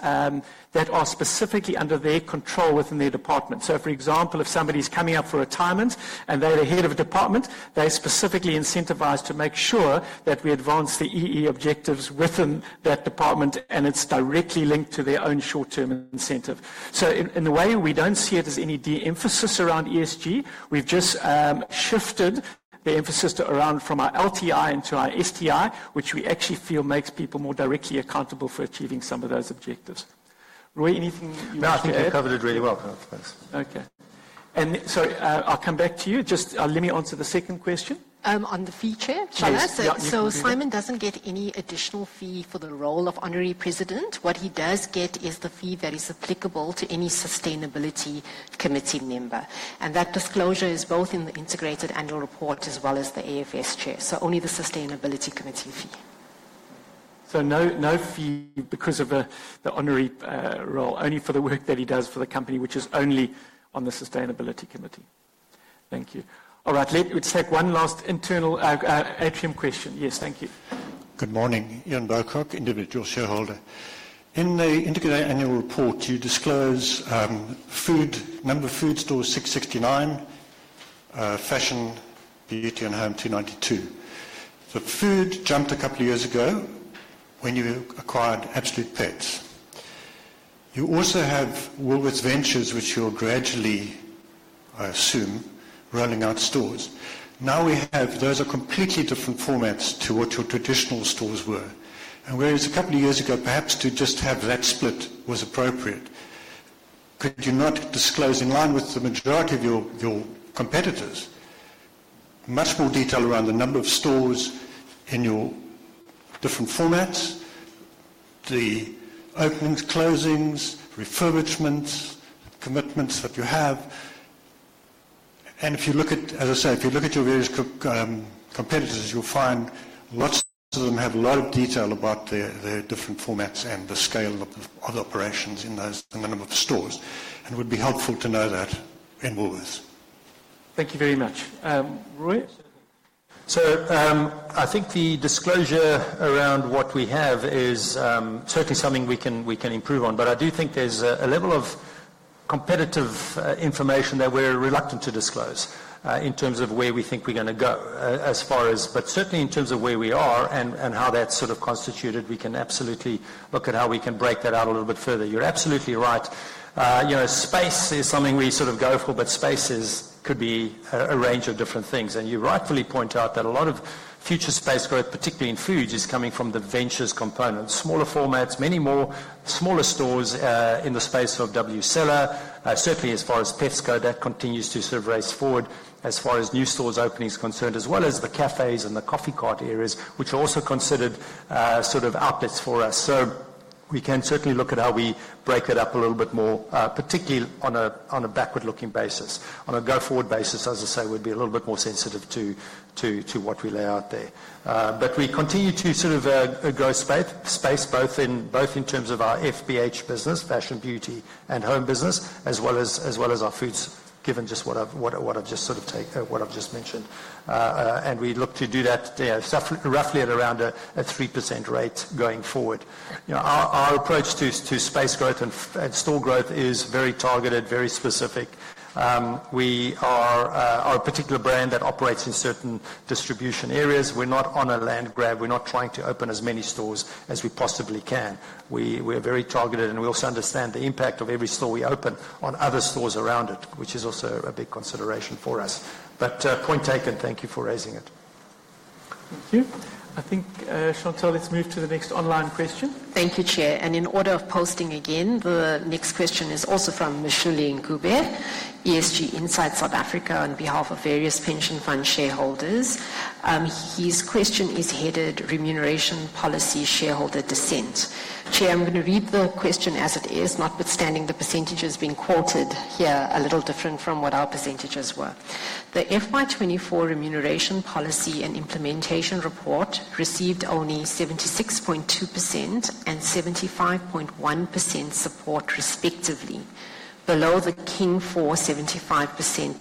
that are specifically under their control within their department. For example, if somebody is coming up for retirement and they are the head of a department, they are specifically incentivized to make sure that we advance the EE objectives within that department, and it is directly linked to their own short-term incentive. In a way, we do not see it as any de-emphasis around ESG. We've just shifted the emphasis around from our LTI into our STI, which we actually feel makes people more directly accountable for achieving some of those objectives. Roy, anything you want to add? No, I think you covered it really well Clive. Thanks. Okay. Sorry, I'll come back to you. Just let me answer the second question. On the fee chair, Simon does not get any additional fee for the role of honorary president. What he does get is the fee that is applicable to any Sustainability Committee member. That disclosure is both in the Integrated Annual Report as well as the AFS chair. Only the Sustainability Committee fee. No fee because of the honorary role, only for the work that he does for the company, which is only on the Sustainability Committee. Thank you. All right, let's take one last internal atrium question. Yes, thank you. Good morning. Ian Burkock, individual shareholder. In the Integrated Annual Report, you disclose food, number of food stores 669, fashion, beauty, and home 292. The food jumped a couple of years ago when you acquired Absolute Pets. You also have Woolworths Ventures, which you're gradually, I assume, rolling out stores. Now we have those are completely different formats to what your traditional stores were. Whereas a couple of years ago, perhaps to just have that split was appropriate, could you not disclose in line with the majority of your competitors much more detail around the number of stores in your different formats, the openings, closings, refurbishments, commitments that you have? If you look at, as I say, if you look at your various competitors, you'll find lots of them have a lot of detail about their different formats and the scale of the operations in those number of stores. It would be helpful to know that in Woolworths. Thank you very much. Roy? I think the disclosure around what we have is certainly something we can improve on. I do think there's a level of competitive information that we're reluctant to disclose in terms of where we think we're going to go as far as, but certainly in terms of where we are and how that's sort of constituted, we can absolutely look at how we can break that out a little bit further. You're absolutely right. Space is something we sort of go for, but spaces could be a range of different things. You rightfully point out that a lot of future space growth, particularly in foods, is coming from the ventures component, smaller formats, many more smaller stores in the space of WCellar. Certainly, as far as pets go, that continues to sort of race forward as far as new stores opening is concerned, as well as the cafes and the coffee cart areas, which are also considered sort of outlets for us. We can certainly look at how we break it up a little bit more, particularly on a backward-looking basis. On a go forward basis, as I say, we'd be a little bit more sensitive to what we lay out there. We continue to sort of grow space both in terms of our FBH business, fashion, beauty, and home business, as well as our foods, given just what I've just sort of mentioned. We look to do that roughly at around a 3% rate going forward. Our approach to space growth and store growth is very targeted, very specific. We are a particular brand that operates in certain distribution areas. We're not on a land grab. We're not trying to open as many stores as we possibly can. We are very targeted, and we also understand the impact of every store we open on other stores around it, which is also a big consideration for us. Point taken. Thank you for raising it. Thank you. I think Chantel, let's move to the next online question. Thank you, Chair. In order of posting again, the next question is also from Mashluli Ncube, ESG Insight South Africa on behalf of various pension fund shareholders. His question is headed remuneration policy shareholder dissent. Chair, I'm going to read the question as it is, notwithstanding the percentages being quoted here are a little different from what our percentages were. The FY 2024 Remuneration Policy and Implementation Report received only 76.2% and 75.1% support respectively, below the King Code 75%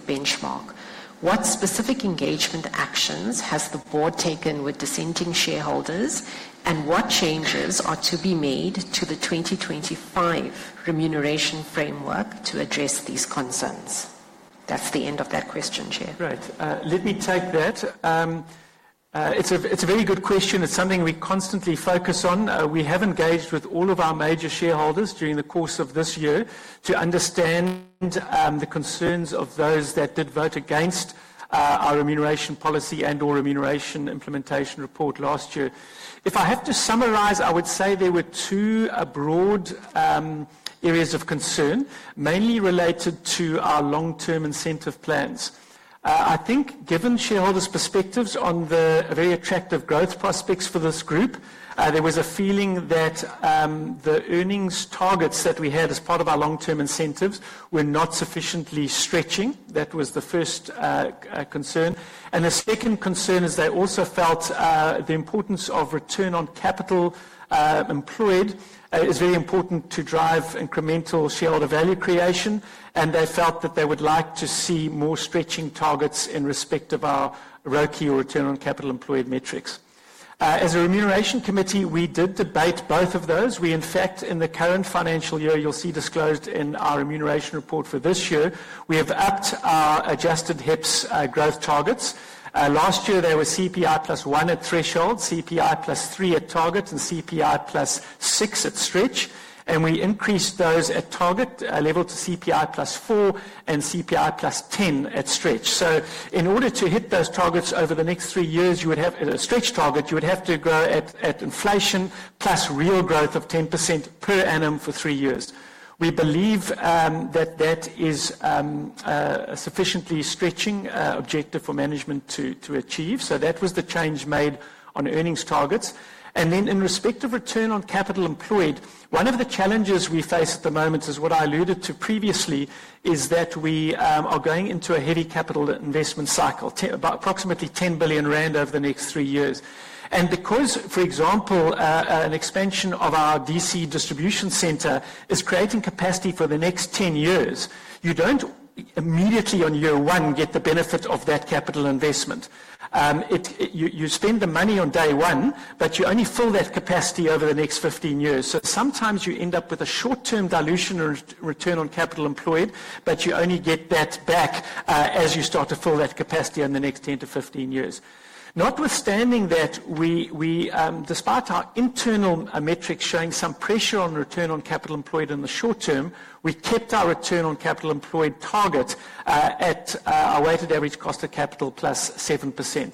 benchmark. What specific engagement actions has the Board taken with dissenting shareholders, and what changes are to be made to the 2025 remuneration framework to address these concerns? That's the end of that question, Chair. Right. Let me take that. It's a very good question. It's something we constantly focus on. We have engaged with all of our major shareholders during the course of this year to understand the concerns of those that did vote against our remuneration policy and/or Remuneration Implementation Report last year. If I have to summarise, I would say there were two broad areas of concern, mainly related to our long-term incentive plans. I think given shareholders' perspectives on the very attractive growth prospects for this group, there was a feeling that the earnings targets that we had as part of our long-term incentives were not sufficiently stretching. That was the first concern. The second concern is they also felt the importance of return on capital employed is very important to drive incremental shareholder value creation. They felt that they would like to see more stretching targets in respect of our ROCE or return on capital employed metrics. As a Remuneration Committee, we did debate both of those. In fact, in the current financial year, you will see disclosed in our remuneration report for this year, we have upped our adjusted HEPS growth targets. Last year, they were CPI plus one at threshold, CPI plus three at target, and CPI plus six at stretch. We increased those at target level to CPI plus four and CPI plus ten at stretch. In order to hit those targets over the next three years, you would have a stretch target, you would have to grow at inflation plus real growth of 10% per annum for three years. We believe that that is a sufficiently stretching objective for management to achieve. That was the change made on earnings targets. Then in respect of return on capital employed, one of the challenges we face at the moment, as what I alluded to previously, is that we are going into a heavy capital investment cycle, approximately 10 billion rand over the next three years. Because, for example, an expansion of our DC distribution centre is creating capacity for the next 10 years, you do not immediately on year one get the benefit of that capital investment. You spend the money on day one, but you only fill that capacity over the next 15 years. Sometimes you end up with a short-term dilution of return on capital employed, but you only get that back as you start to fill that capacity in the next 10 to 15 years. Notwithstanding that we, despite our internal metrics showing some pressure on return on capital employed in the short term, we kept our return on capital employed target at our weighted average cost of capital plus 7%.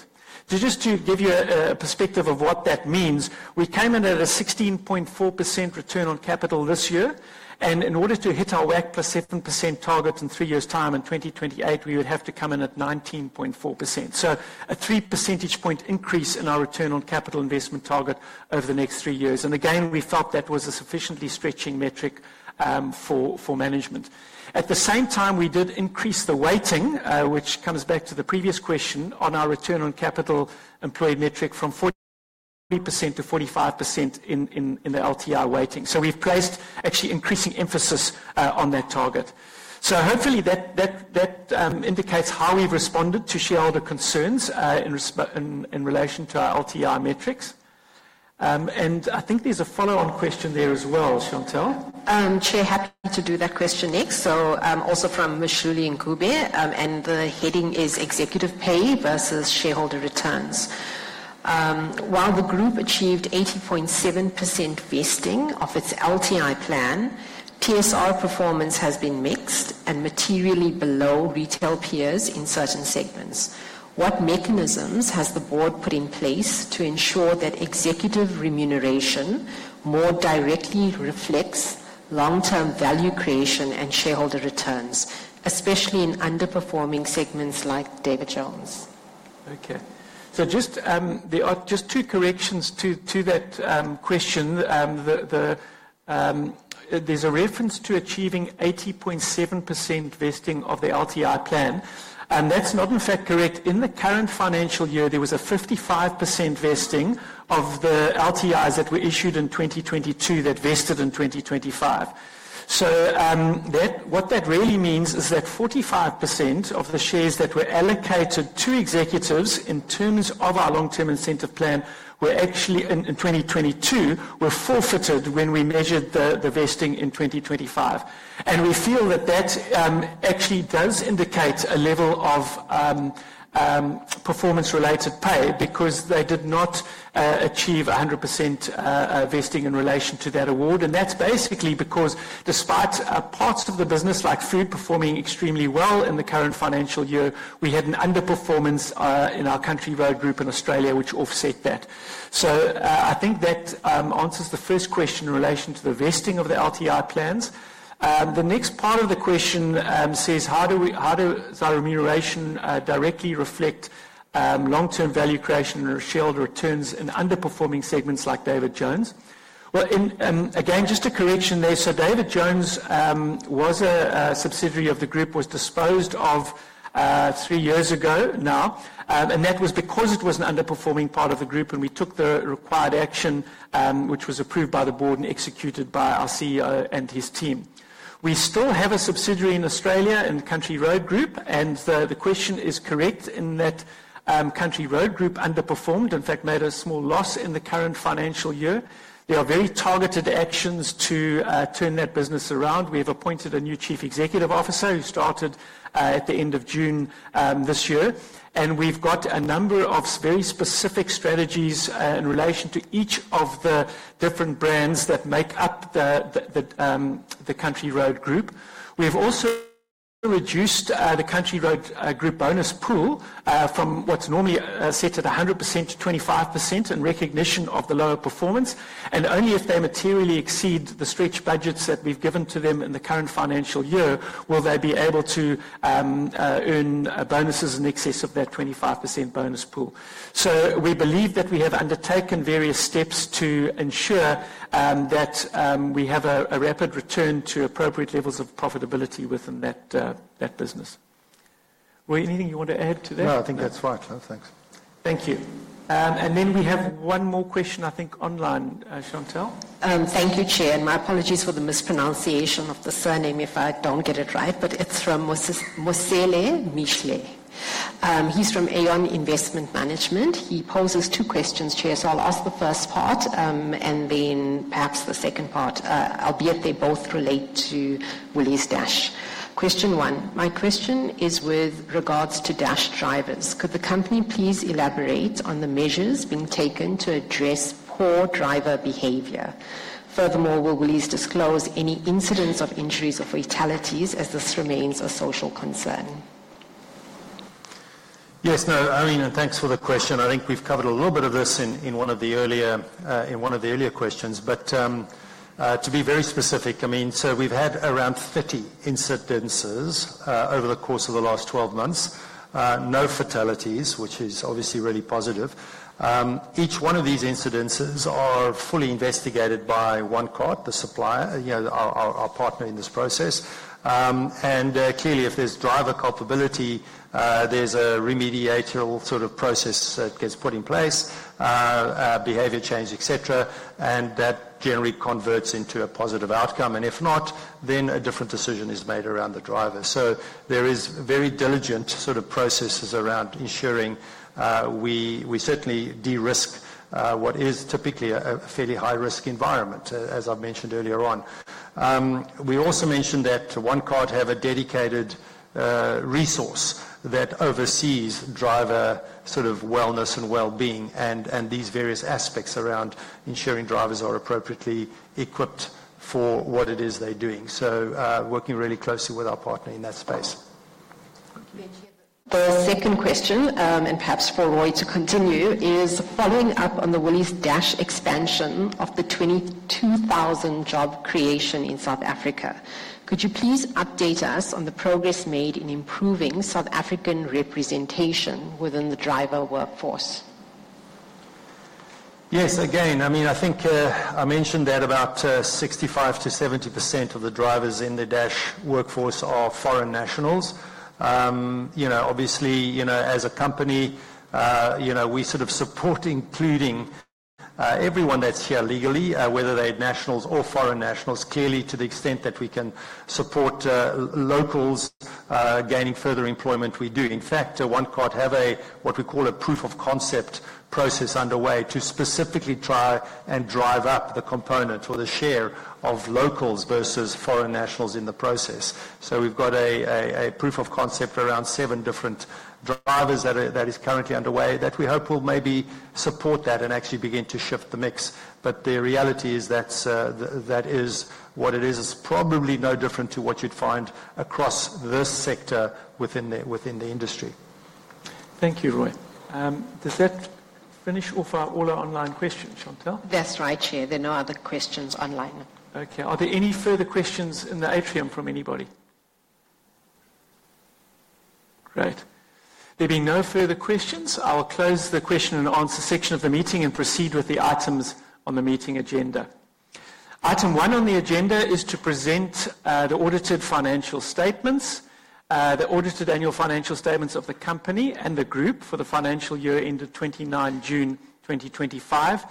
Just to give you a perspective of what that means, we came in at a 16.4% return on capital this year. In order to hit our WACC plus 7% target in three years' time in 2028, we would have to come in at 19.4%. A 3 percentage point increase in our return on capital investment target over the next three years. Again, we felt that was a sufficiently stretching metric for management. At the same time, we did increase the weighting, which comes back to the previous question, on our return on capital employed metric from 40% to 45% in the LTI weighting. We've placed actually increasing emphasis on that target. Hopefully that indicates how we've responded to shareholder concerns in relation to our LTI metrics. I think there's a follow-on question there as well, Chantel. Chair, happy to do that question next. Also from Mashluli Ncube. The heading is executive pay versus shareholder returns. While the group achieved 80.7% vesting of its LTI plan, TSR performance has been mixed and materially below retail peers in certain segments. What mechanisms has the Board put in place to ensure that executive remuneration more directly reflects long-term value creation and shareholder returns, especially in underperforming segments like David Jones? Okay. Just two corrections to that question. There's a reference to achieving 80.7% vesting of the LTI plan. That's not, in fact, correct. In the current financial year, there was a 55% vesting of the LTIs that were issued in 2022 that vested in 2025. What that really means is that 45% of the shares that were allocated to executives in terms of our long-term incentive plan in 2022 were forfeited when we measured the vesting in 2025. We feel that actually does indicate a level of performance-related pay because they did not achieve 100% vesting in relation to that award. That's basically because despite parts of the business like food performing extremely well in the current financial year, we had an underperformance in our Country Road Group in Australia, which offset that. I think that answers the first question in relation to the vesting of the LTI plans. The next part of the question says, how does our remuneration directly reflect long-term value creation and shareholder returns in underperforming segments like David Jones? Just a correction there. David Jones was a subsidiary of the group, was disposed of three years ago now. That was because it was an underperforming part of the group, and we took the required action, which was approved by the Board and executed by our CEO and his team. We still have a subsidiary in Australia in the Country Road Group. The question is correct in that Country Road Group underperformed, in fact, made a small loss in the current financial year. There are very targeted actions to turn that business around. We have appointed a new Chief Executive Officer who started at the end of June this year. We have got a number of very specific strategies in relation to each of the different brands that make up the Country Road Group. We have also reduced the Country Road Group bonus pool from what is normally set at 100% to 25% in recognition of the lower performance. Only if they materially exceed the stretch budgets that we have given to them in the current financial year will they be able to earn bonuses in excess of that 25% bonus pool. We believe that we have undertaken various steps to ensure that we have a rapid return to appropriate levels of profitability within that business. Roy, anything you want to add to that? No, I think that's right. Thanks. Thank you. Then we have one more question, I think, online, Chantel. Thank you, Chair. My apologies for the mispronunciation of the surname if I do not get it right, but it is from Mosele Mile. He is from Aeon Investment Management. He poses two questions, Chair, so I will ask the first part and then perhaps the second part, albeit they both relate to Woolies Dash. Question one. My question is with regards to Dash drivers. Could the company please elaborate on the measures being taken to address poor driver behavior? Furthermore, will Woolies disclose any incidents of injuries or fatalities as this remains a social concern? Yes, no, I mean, thanks for the question. I think we've covered a little bit of this in one of the earlier questions. To be very specific, I mean, we've had around 30 incidences over the course of the last 12 months. No fatalities, which is obviously really positive. Each one of these incidences is fully investigated by OneCart, the supplier, our partner in this process. Clearly, if there's driver culpability, there's a remediator sort of process that gets put in place, behavior change, etc. That generally converts into a positive outcome. If not, then a different decision is made around the driver. There are very diligent sort of processes around ensuring we certainly de-risk what is typically a fairly high-risk environment, as I've mentioned earlier on. We also mentioned that OneCart have a dedicated resource that oversees driver sort of wellness and well-being and these various aspects around ensuring drivers are appropriately equipped for what it is they're doing. Working really closely with our partner in that space. Thank you, Chair. The second question, and perhaps for Roy to continue, is following up on the Woolies Dash expansion of the 22,000 job creation in South Africa. Could you please update us on the progress made in improving South African representation within the driver workforce? Yes, again, I mean, I think I mentioned that about 65%-70% of the drivers in the Dash workforce are foreign nationals. Obviously, as a company, we sort of support including everyone that's here legally, whether they're nationals or foreign nationals. Clearly, to the extent that we can support locals gaining further employment, we do. In fact, OneCart have a what we call a proof of concept process underway to specifically try and drive up the component or the share of locals versus foreign nationals in the process. We have a proof of concept around seven different drivers that is currently underway that we hope will maybe support that and actually begin to shift the mix. The reality is that is what it is. It's probably no different to what you'd find across this sector within the industry. Thank you, Roy. Does that finish off all our online questions, Chantel? That's right, Chair. There are no other questions online. Okay. Are there any further questions in the atrium from anybody? Great. There being no further questions, I'll close the question-and-answer section of the meeting and proceed with the items on the meeting agenda. Item one on the agenda is to present the audited financial statements, the audited annual financial statements of the company and the group for the financial year ended 29 June 2025,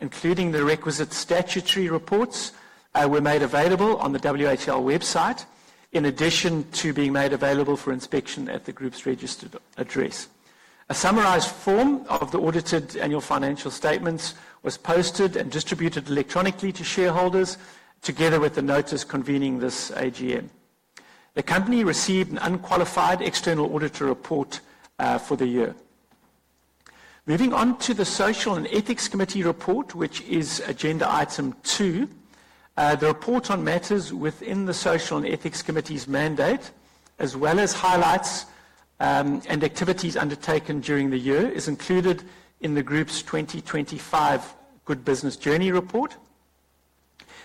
including the requisite statutory reports were made available on the WHL website, in addition to being made available for inspection at the group's registered address. A summarised form of the audited annual financial statements was posted and distributed electronically to shareholders together with the notice convening this AGM. The company received an unqualified external auditor report for the year. Moving on to the Social and Ethics Committee report, which is agenda item two, the report on matters within the Social and Ethics Committee's mandate, as well as highlights and activities undertaken during the year, is included in the group's 2025 Good Business Journey report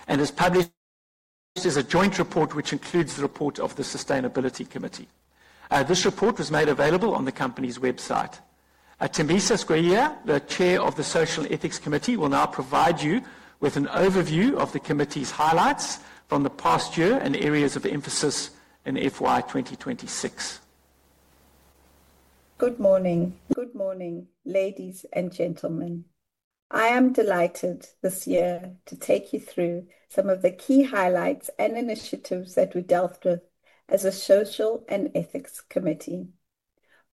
and is published as a joint report, which includes the report of the Sustainability Committee. This report was made available on the company's website. Thembisa Skweyiya, the chair of the Social and Ethics Committee, will now provide you with an overview of the committee's highlights from the past year and areas of emphasis in FY 2026. Good morning. Good morning, ladies and gentlemen. I am delighted this year to take you through some of the key highlights and initiatives that we dealt with as a Social and Ethics Committee.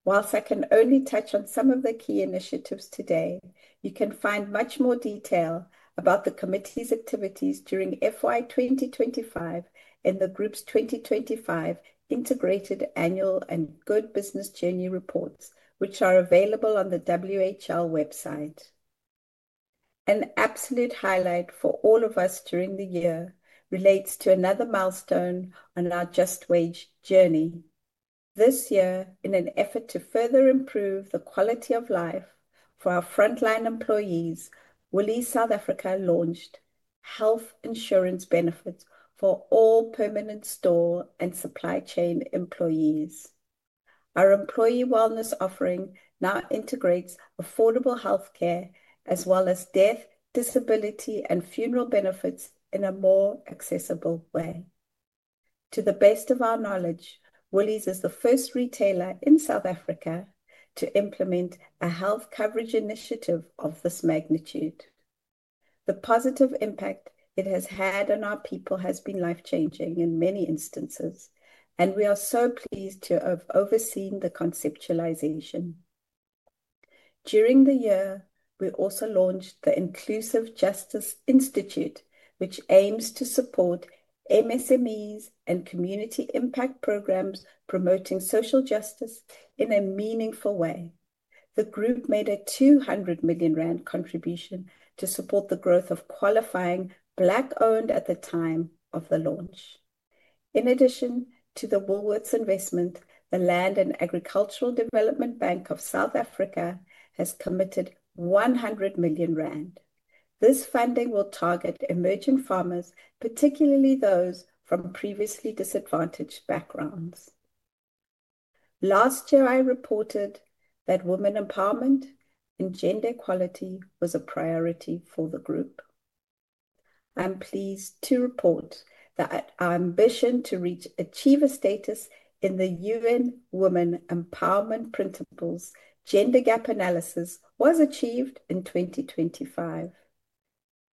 Whilst I can only touch on some of the key initiatives today, you can find much more detail about the committee's activities during FY 2025 in the group's 2025 Integrated Annual and Good Business Journey reports, which are available on the WHL website. An absolute highlight for all of us during the year relates to another milestone on our Just Wage journey. This year, in an effort to further improve the quality of life for our frontline employees, Woolworths South Africa launched health insurance benefits for all permanent store and supply chain employees. Our employee wellness offering now integrates affordable healthcare as well as death, disability, and funeral benefits in a more accessible way. To the best of our knowledge, Woolies is the first retailer in South Africa to implement a health coverage initiative of this magnitude. The positive impact it has had on our people has been life-changing in many instances, and we are so pleased to have overseen the conceptualization. During the year, we also launched the Inclusive Justice Institute, which aims to support MSMEs and community impact programs promoting social justice in a meaningful way. The group made a 200 million rand contribution to support the growth of qualifying Black-owned at the time of the launch. In addition to the Woolworths investment, the Land and Agricultural Development Bank of South Africa has committed 100 million rand. This funding will target emerging farmers, particularly those from previously disadvantaged backgrounds. Last year, I reported that women empowerment and gender equality was a priority for the group. I'm pleased to report that our ambition to achieve a status in the UN Women Empowerment Principles Gender Gap Analysis was achieved in 2025.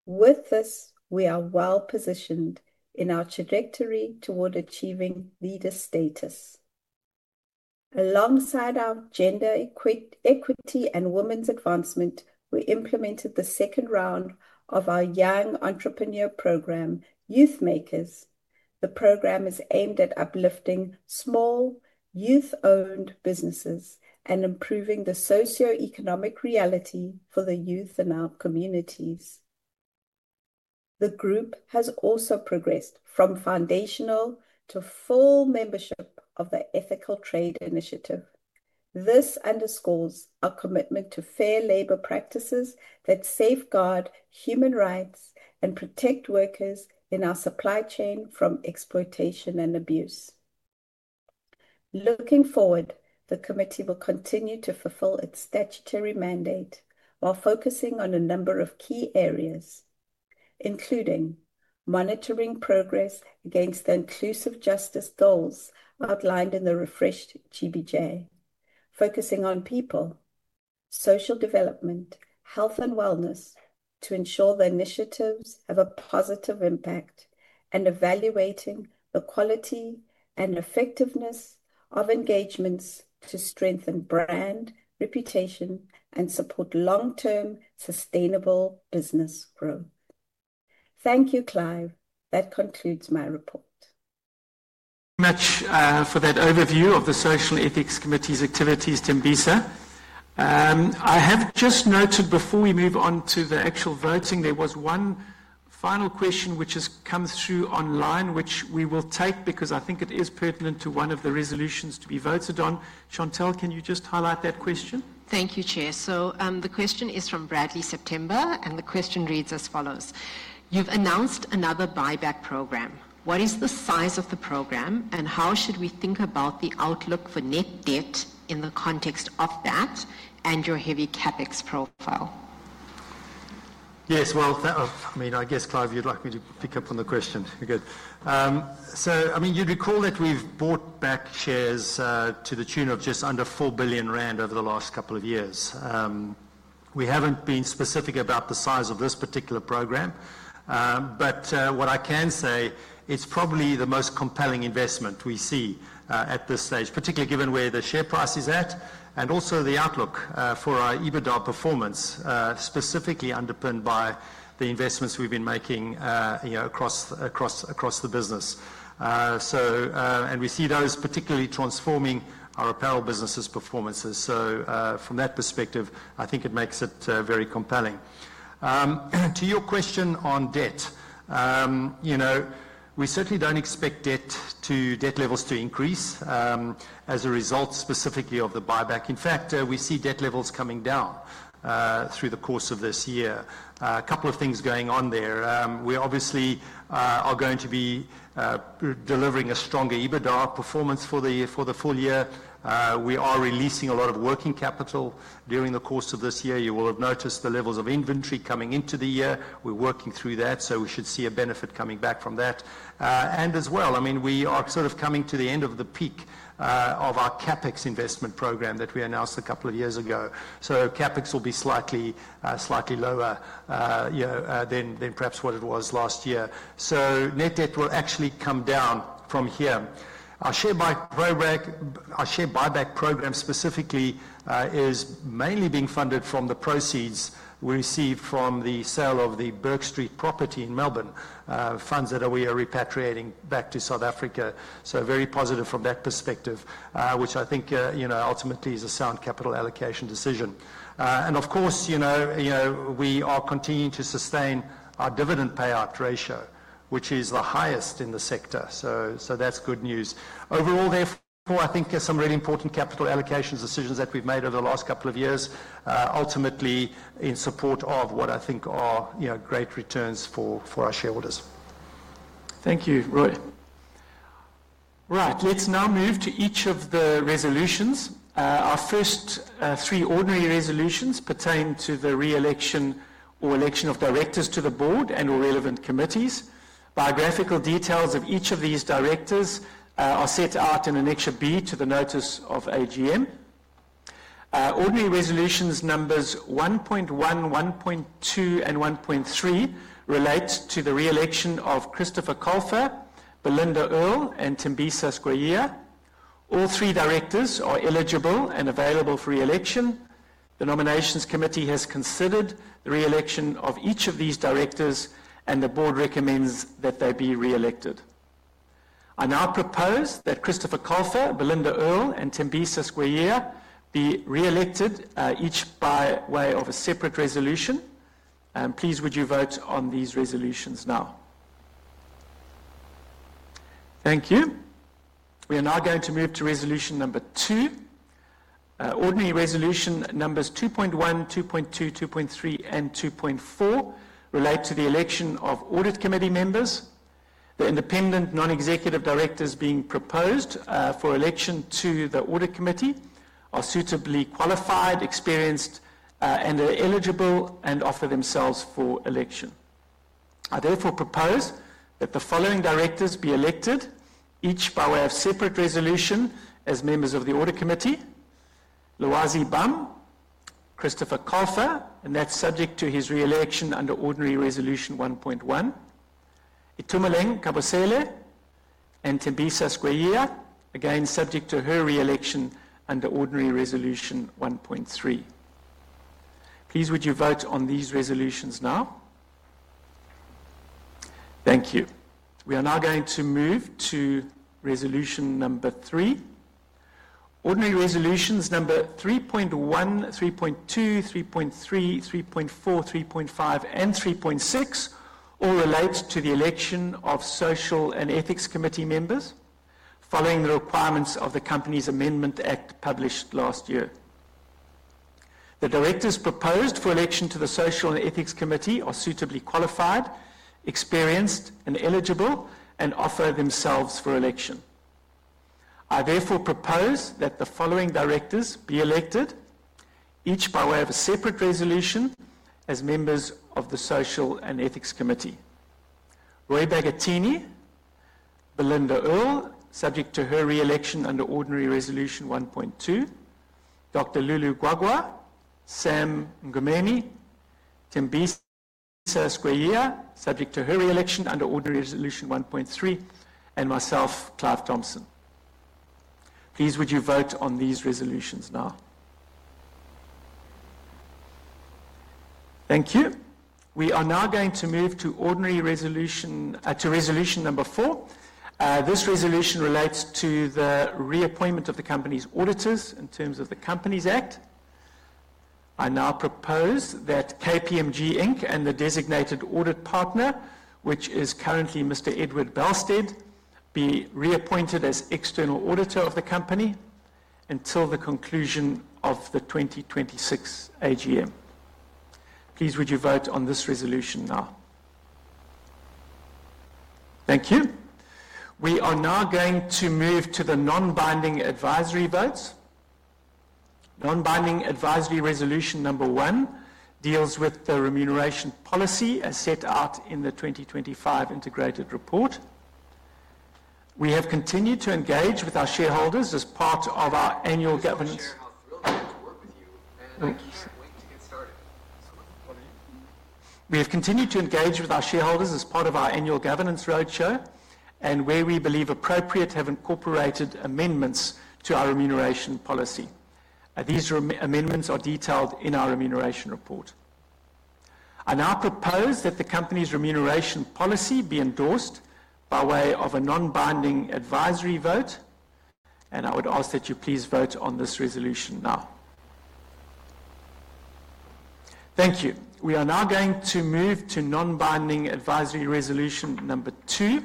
With this, we are well positioned in our trajectory toward achieving leader status. Alongside our gender equity and women's advancement, we implemented the second round of our Young Entrepreneur Program, Youth Makers. The program is aimed at uplifting small youth-owned businesses and improving the socioeconomic reality for the youth in our communities. The group has also progressed from foundational to full membership of the Ethical Trade Initiative. This underscores our commitment to fair labor practices that safeguard human rights and protect workers in our supply chain from exploitation and abuse. Looking forward, the committee will continue to fulfill its statutory mandate while focusing on a number of key areas, including monitoring progress against the inclusive justice goals outlined in the refreshed GBJ, focusing on people, social development, health, and wellness to ensure the initiatives have a positive impact, and evaluating the quality and effectiveness of engagements to strengthen brand reputation and support long-term sustainable business growth. Thank you, Clive. That concludes my report. Thank you very much for that overview of the Social and Ethics Committee's activities, Thembisa. I have just noted before we move on to the actual voting, there was one final question which has come through online, which we will take because I think it is pertinent to one of the resolutions to be voted on. Chantel, can you just highlight that question? Thank you, Chair. The question is from Bradley September, and the question reads as follows. You've announced another buyback program. What is the size of the program, and how should we think about the outlook for net debt in the context of that and your heavy CapEx profile? Yes, I mean, I guess, Clive, you'd like me to pick up on the question. You're good. I mean, you'd recall that we've bought back shares to the tune of just under 4 billion rand over the last couple of years. We haven't been specific about the size of this particular program, but what I can say, it's probably the most compelling investment we see at this stage, particularly given where the share price is at and also the outlook for our EBITDA performance, specifically underpinned by the investments we've been making across the business. We see those particularly transforming our apparel business's performances. From that perspective, I think it makes it very compelling. To your question on debt, we certainly don't expect debt levels to increase as a result specifically of the buyback. In fact, we see debt levels coming down through the course of this year. A couple of things going on there. We obviously are going to be delivering a stronger EBITDA performance for the full year. We are releasing a lot of working capital during the course of this year. You will have noticed the levels of inventory coming into the year. We're working through that, so we should see a benefit coming back from that. I mean, we are sort of coming to the end of the peak of our CapEx investment program that we announced a couple of years ago. CapEx will be slightly lower than perhaps what it was last year. Net debt will actually come down from here. Our share buyback program specifically is mainly being funded from the proceeds we received from the sale of the Burke Street property in Melbourne, funds that we are repatriating back to South Africa. Very positive from that perspective, which I think ultimately is a sound capital allocation decision. Of course, we are continuing to sustain our dividend payout ratio, which is the highest in the sector. That is good news. Overall, therefore, I think there are some really important capital allocation decisions that we've made over the last couple of years, ultimately in support of what I think are great returns for our shareholders. Thank you, Roy. Right, let's now move to each of the resolutions. Our first three ordinary resolutions pertain to the re-election or election of directors to the Board and/or relevant committees. Biographical details of each of these directors are set out in annexure B to the notice of AGM. Ordinary resolutions numbers 1.1, 1.2, and 1.3 relate to the re-election of Christopher Colfer, Belinda Earl, and Thembisa Skweyiya. All three directors are eligible and available for re-election. The nominations committee has considered the re-election of each of these directors, and the board recommends that they be re-elected. I now propose that Christopher Colfer, Belinda Earl, and Thembisa Skweyiya be re-elected each by way of a separate resolution. Please, would you vote on these resolutions now? Thank you. We are now going to move to resolution number two. Ordinary resolution numbers 2.1, 2.2, 2.3, and 2.4 relate to the election of audit committee members. The independent non-executive directors being proposed for election to the audit committee are suitably qualified, experienced, and are eligible and offer themselves for election. I therefore propose that the following directors be elected each by way of separate resolution as members of the audit committee: Lwazi Bam, Christopher Colfer, and that's subject to his re-election under ordinary resolution 1.1; Itumeleng Kgaboesele, and Thembisa Skweyiya, again subject to her re-election under ordinary resolution 1.3. Please, would you vote on these resolutions now? Thank you. We are now going to move to resolution number three. Ordinary resolutions number 3.1, 3.2, 3.3, 3.4, 3.5, and 3.6 all relate to the election of social and ethics committee members following the requirements of the Companies Amendment Act published last year. The directors proposed for election to the Social and Ethics Committee are suitably qualified, experienced, and eligible, and offer themselves for election. I therefore propose that the following directors be elected each by way of a separate resolution as members of the Social and Ethics Committee: Roy Bagattini, Belinda Earl, subject to her re-election under ordinary resolution 1.2; Dr. Lulu Gwagwa, Sam Ngumeni, Thembisa Skweyiya, subject to her re-election under ordinary resolution 1.3; and myself, Clive Thompson. Please, would you vote on these resolutions now? Thank you. We are now going to move to resolution number four. This resolution relates to the reappointment of the company's auditors in terms of the Companies Act. I now propose that KPMG Inc. and the designated audit partner, which is currently Mr. Edward Belstead, be reappointed as external auditor of the company until the conclusion of the 2026 AGM. Please, would you vote on this resolution now? Thank you. We are now going to move to the non-binding advisory votes. Non-binding advisory resolution number one deals with the remuneration policy as set out in the 2025 integrated report. We have continued to engage with our shareholders as part of our annual governance roadshow, and where we believe appropriate, have incorporated amendments to our remuneration policy. These amendments are detailed in our remuneration report. I now propose that the company's remuneration policy be endorsed by way of a non-binding advisory vote, and I would ask that you please vote on this resolution now. Thank you. We are now going to move to non-binding advisory resolution number two.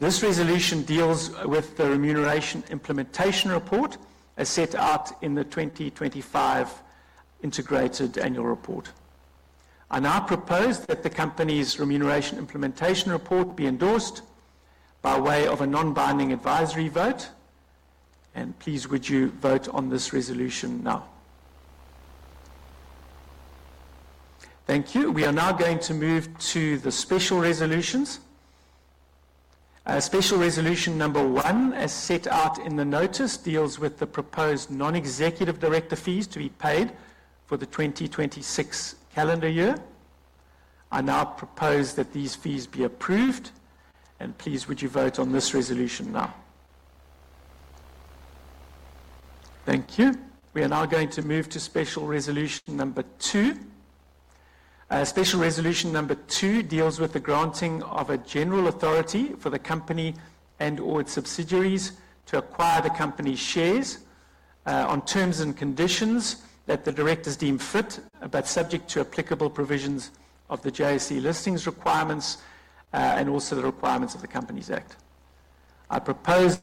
This resolution deals with the Remuneration Implementation Report as set out in the 2025 Integrated Annual Report. I now propose that the company's Remuneration Implementation Report be endorsed by way of a non-binding advisory vote, and please, would you vote on this resolution now? Thank you. We are now going to move to the special resolutions. Special resolution number one, as set out in the notice, deals with the proposed non-executive director fees to be paid for the 2026 calendar year. I now propose that these fees be approved, and please, would you vote on this resolution now? Thank you. We are now going to move to special resolution number two. Special resolution number two deals with the granting of a general authority for the company and/or its subsidiaries to acquire the company's shares on terms and conditions that the directors deem fit, but subject to applicable provisions of the JSE Listings requirements and also the requirements of the Companies Act. I propose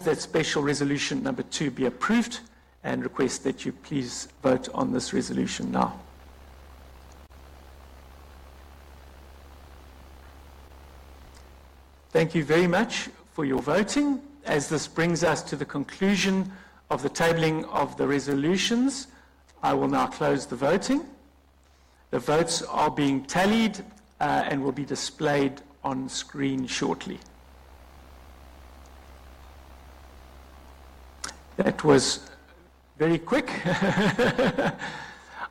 that special resolution number two be approved and request that you please vote on this resolution now. Thank you very much for your voting. As this brings us to the conclusion of the tabling of the resolutions, I will now close the voting. The votes are being tallied and will be displayed on screen shortly. That was very quick.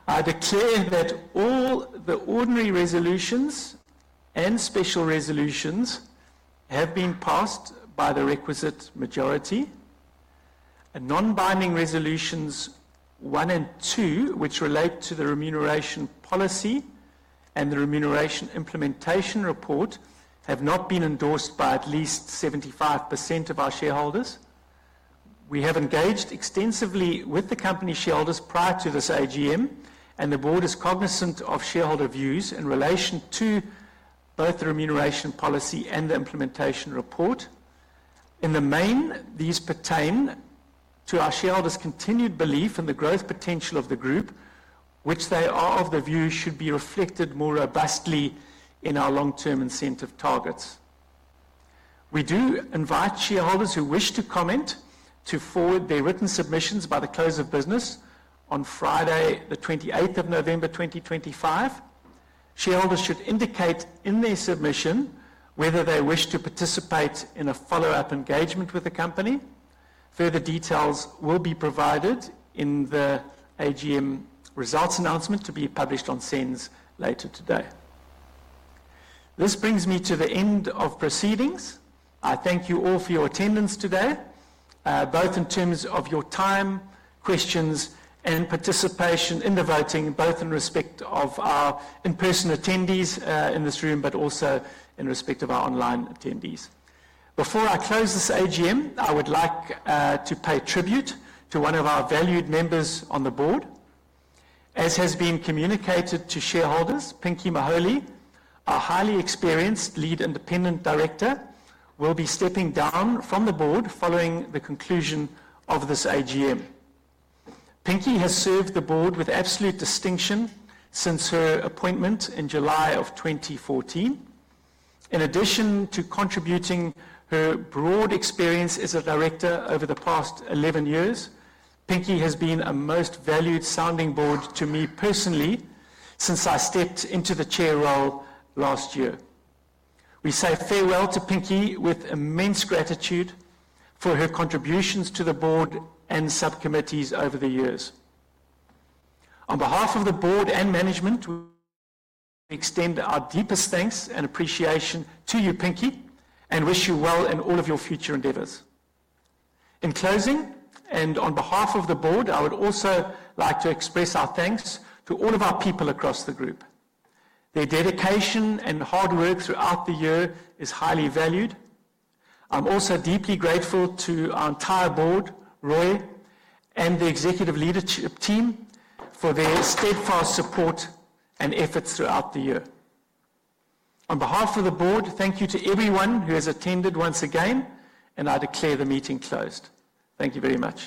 I declare that all the ordinary resolutions and special resolutions have been passed by the requisite majority. Non-binding resolutions one and two, which relate to the remuneration policy and the Remuneration Implementation Report, have not been endorsed by at least 75% of our shareholders. We have engaged extensively with the company shareholders prior to this AGM, and the Board is cognizant of shareholder views in relation to both the remuneration policy and the implementation report. In the main, these pertain to our shareholders' continued belief in the growth potential of the group, which they are of the view should be reflected more robustly in our long-term incentive targets. We do invite shareholders who wish to comment to forward their written submissions by the close of business on Friday, the 28th of November 2025. Shareholders should indicate in their submission whether they wish to participate in a follow-up engagement with the company. Further details will be provided in the AGM results announcement to be published on SENS later today. This brings me to the end of proceedings. I thank you all for your attendance today, both in terms of your time, questions, and participation in the voting, both in respect of our in-person attendees in this room, but also in respect of our online attendees. Before I close this AGM, I would like to pay tribute to one of our valued members on the Board. As has been communicated to shareholders, Pinky Moholi, our highly experienced Lead Independent Director, will be stepping down from the Board following the conclusion of this AGM. Pinky has served the Board with absolute distinction since her appointment in July of 2014. In addition to contributing her broad experience as a director over the past 11 years, Pinky has been a most valued sounding board to me personally since I stepped into the chair role last year. We say farewell to Pinky with immense gratitude for her contributions to the Board and subcommittees over the years. On behalf of the Board and management, we extend our deepest thanks and appreciation to you, Pinky, and wish you well in all of your future endeavors. In closing, and on behalf of the Board, I would also like to express our thanks to all of our people across the group. Their dedication and hard work throughout the year is highly valued. I'm also deeply grateful to our entire board, Roy, and the executive leadership team for their steadfast support and efforts throughout the year. On behalf of the Board, thank you to everyone who has attended once again, and I declare the meeting closed. Thank you very much.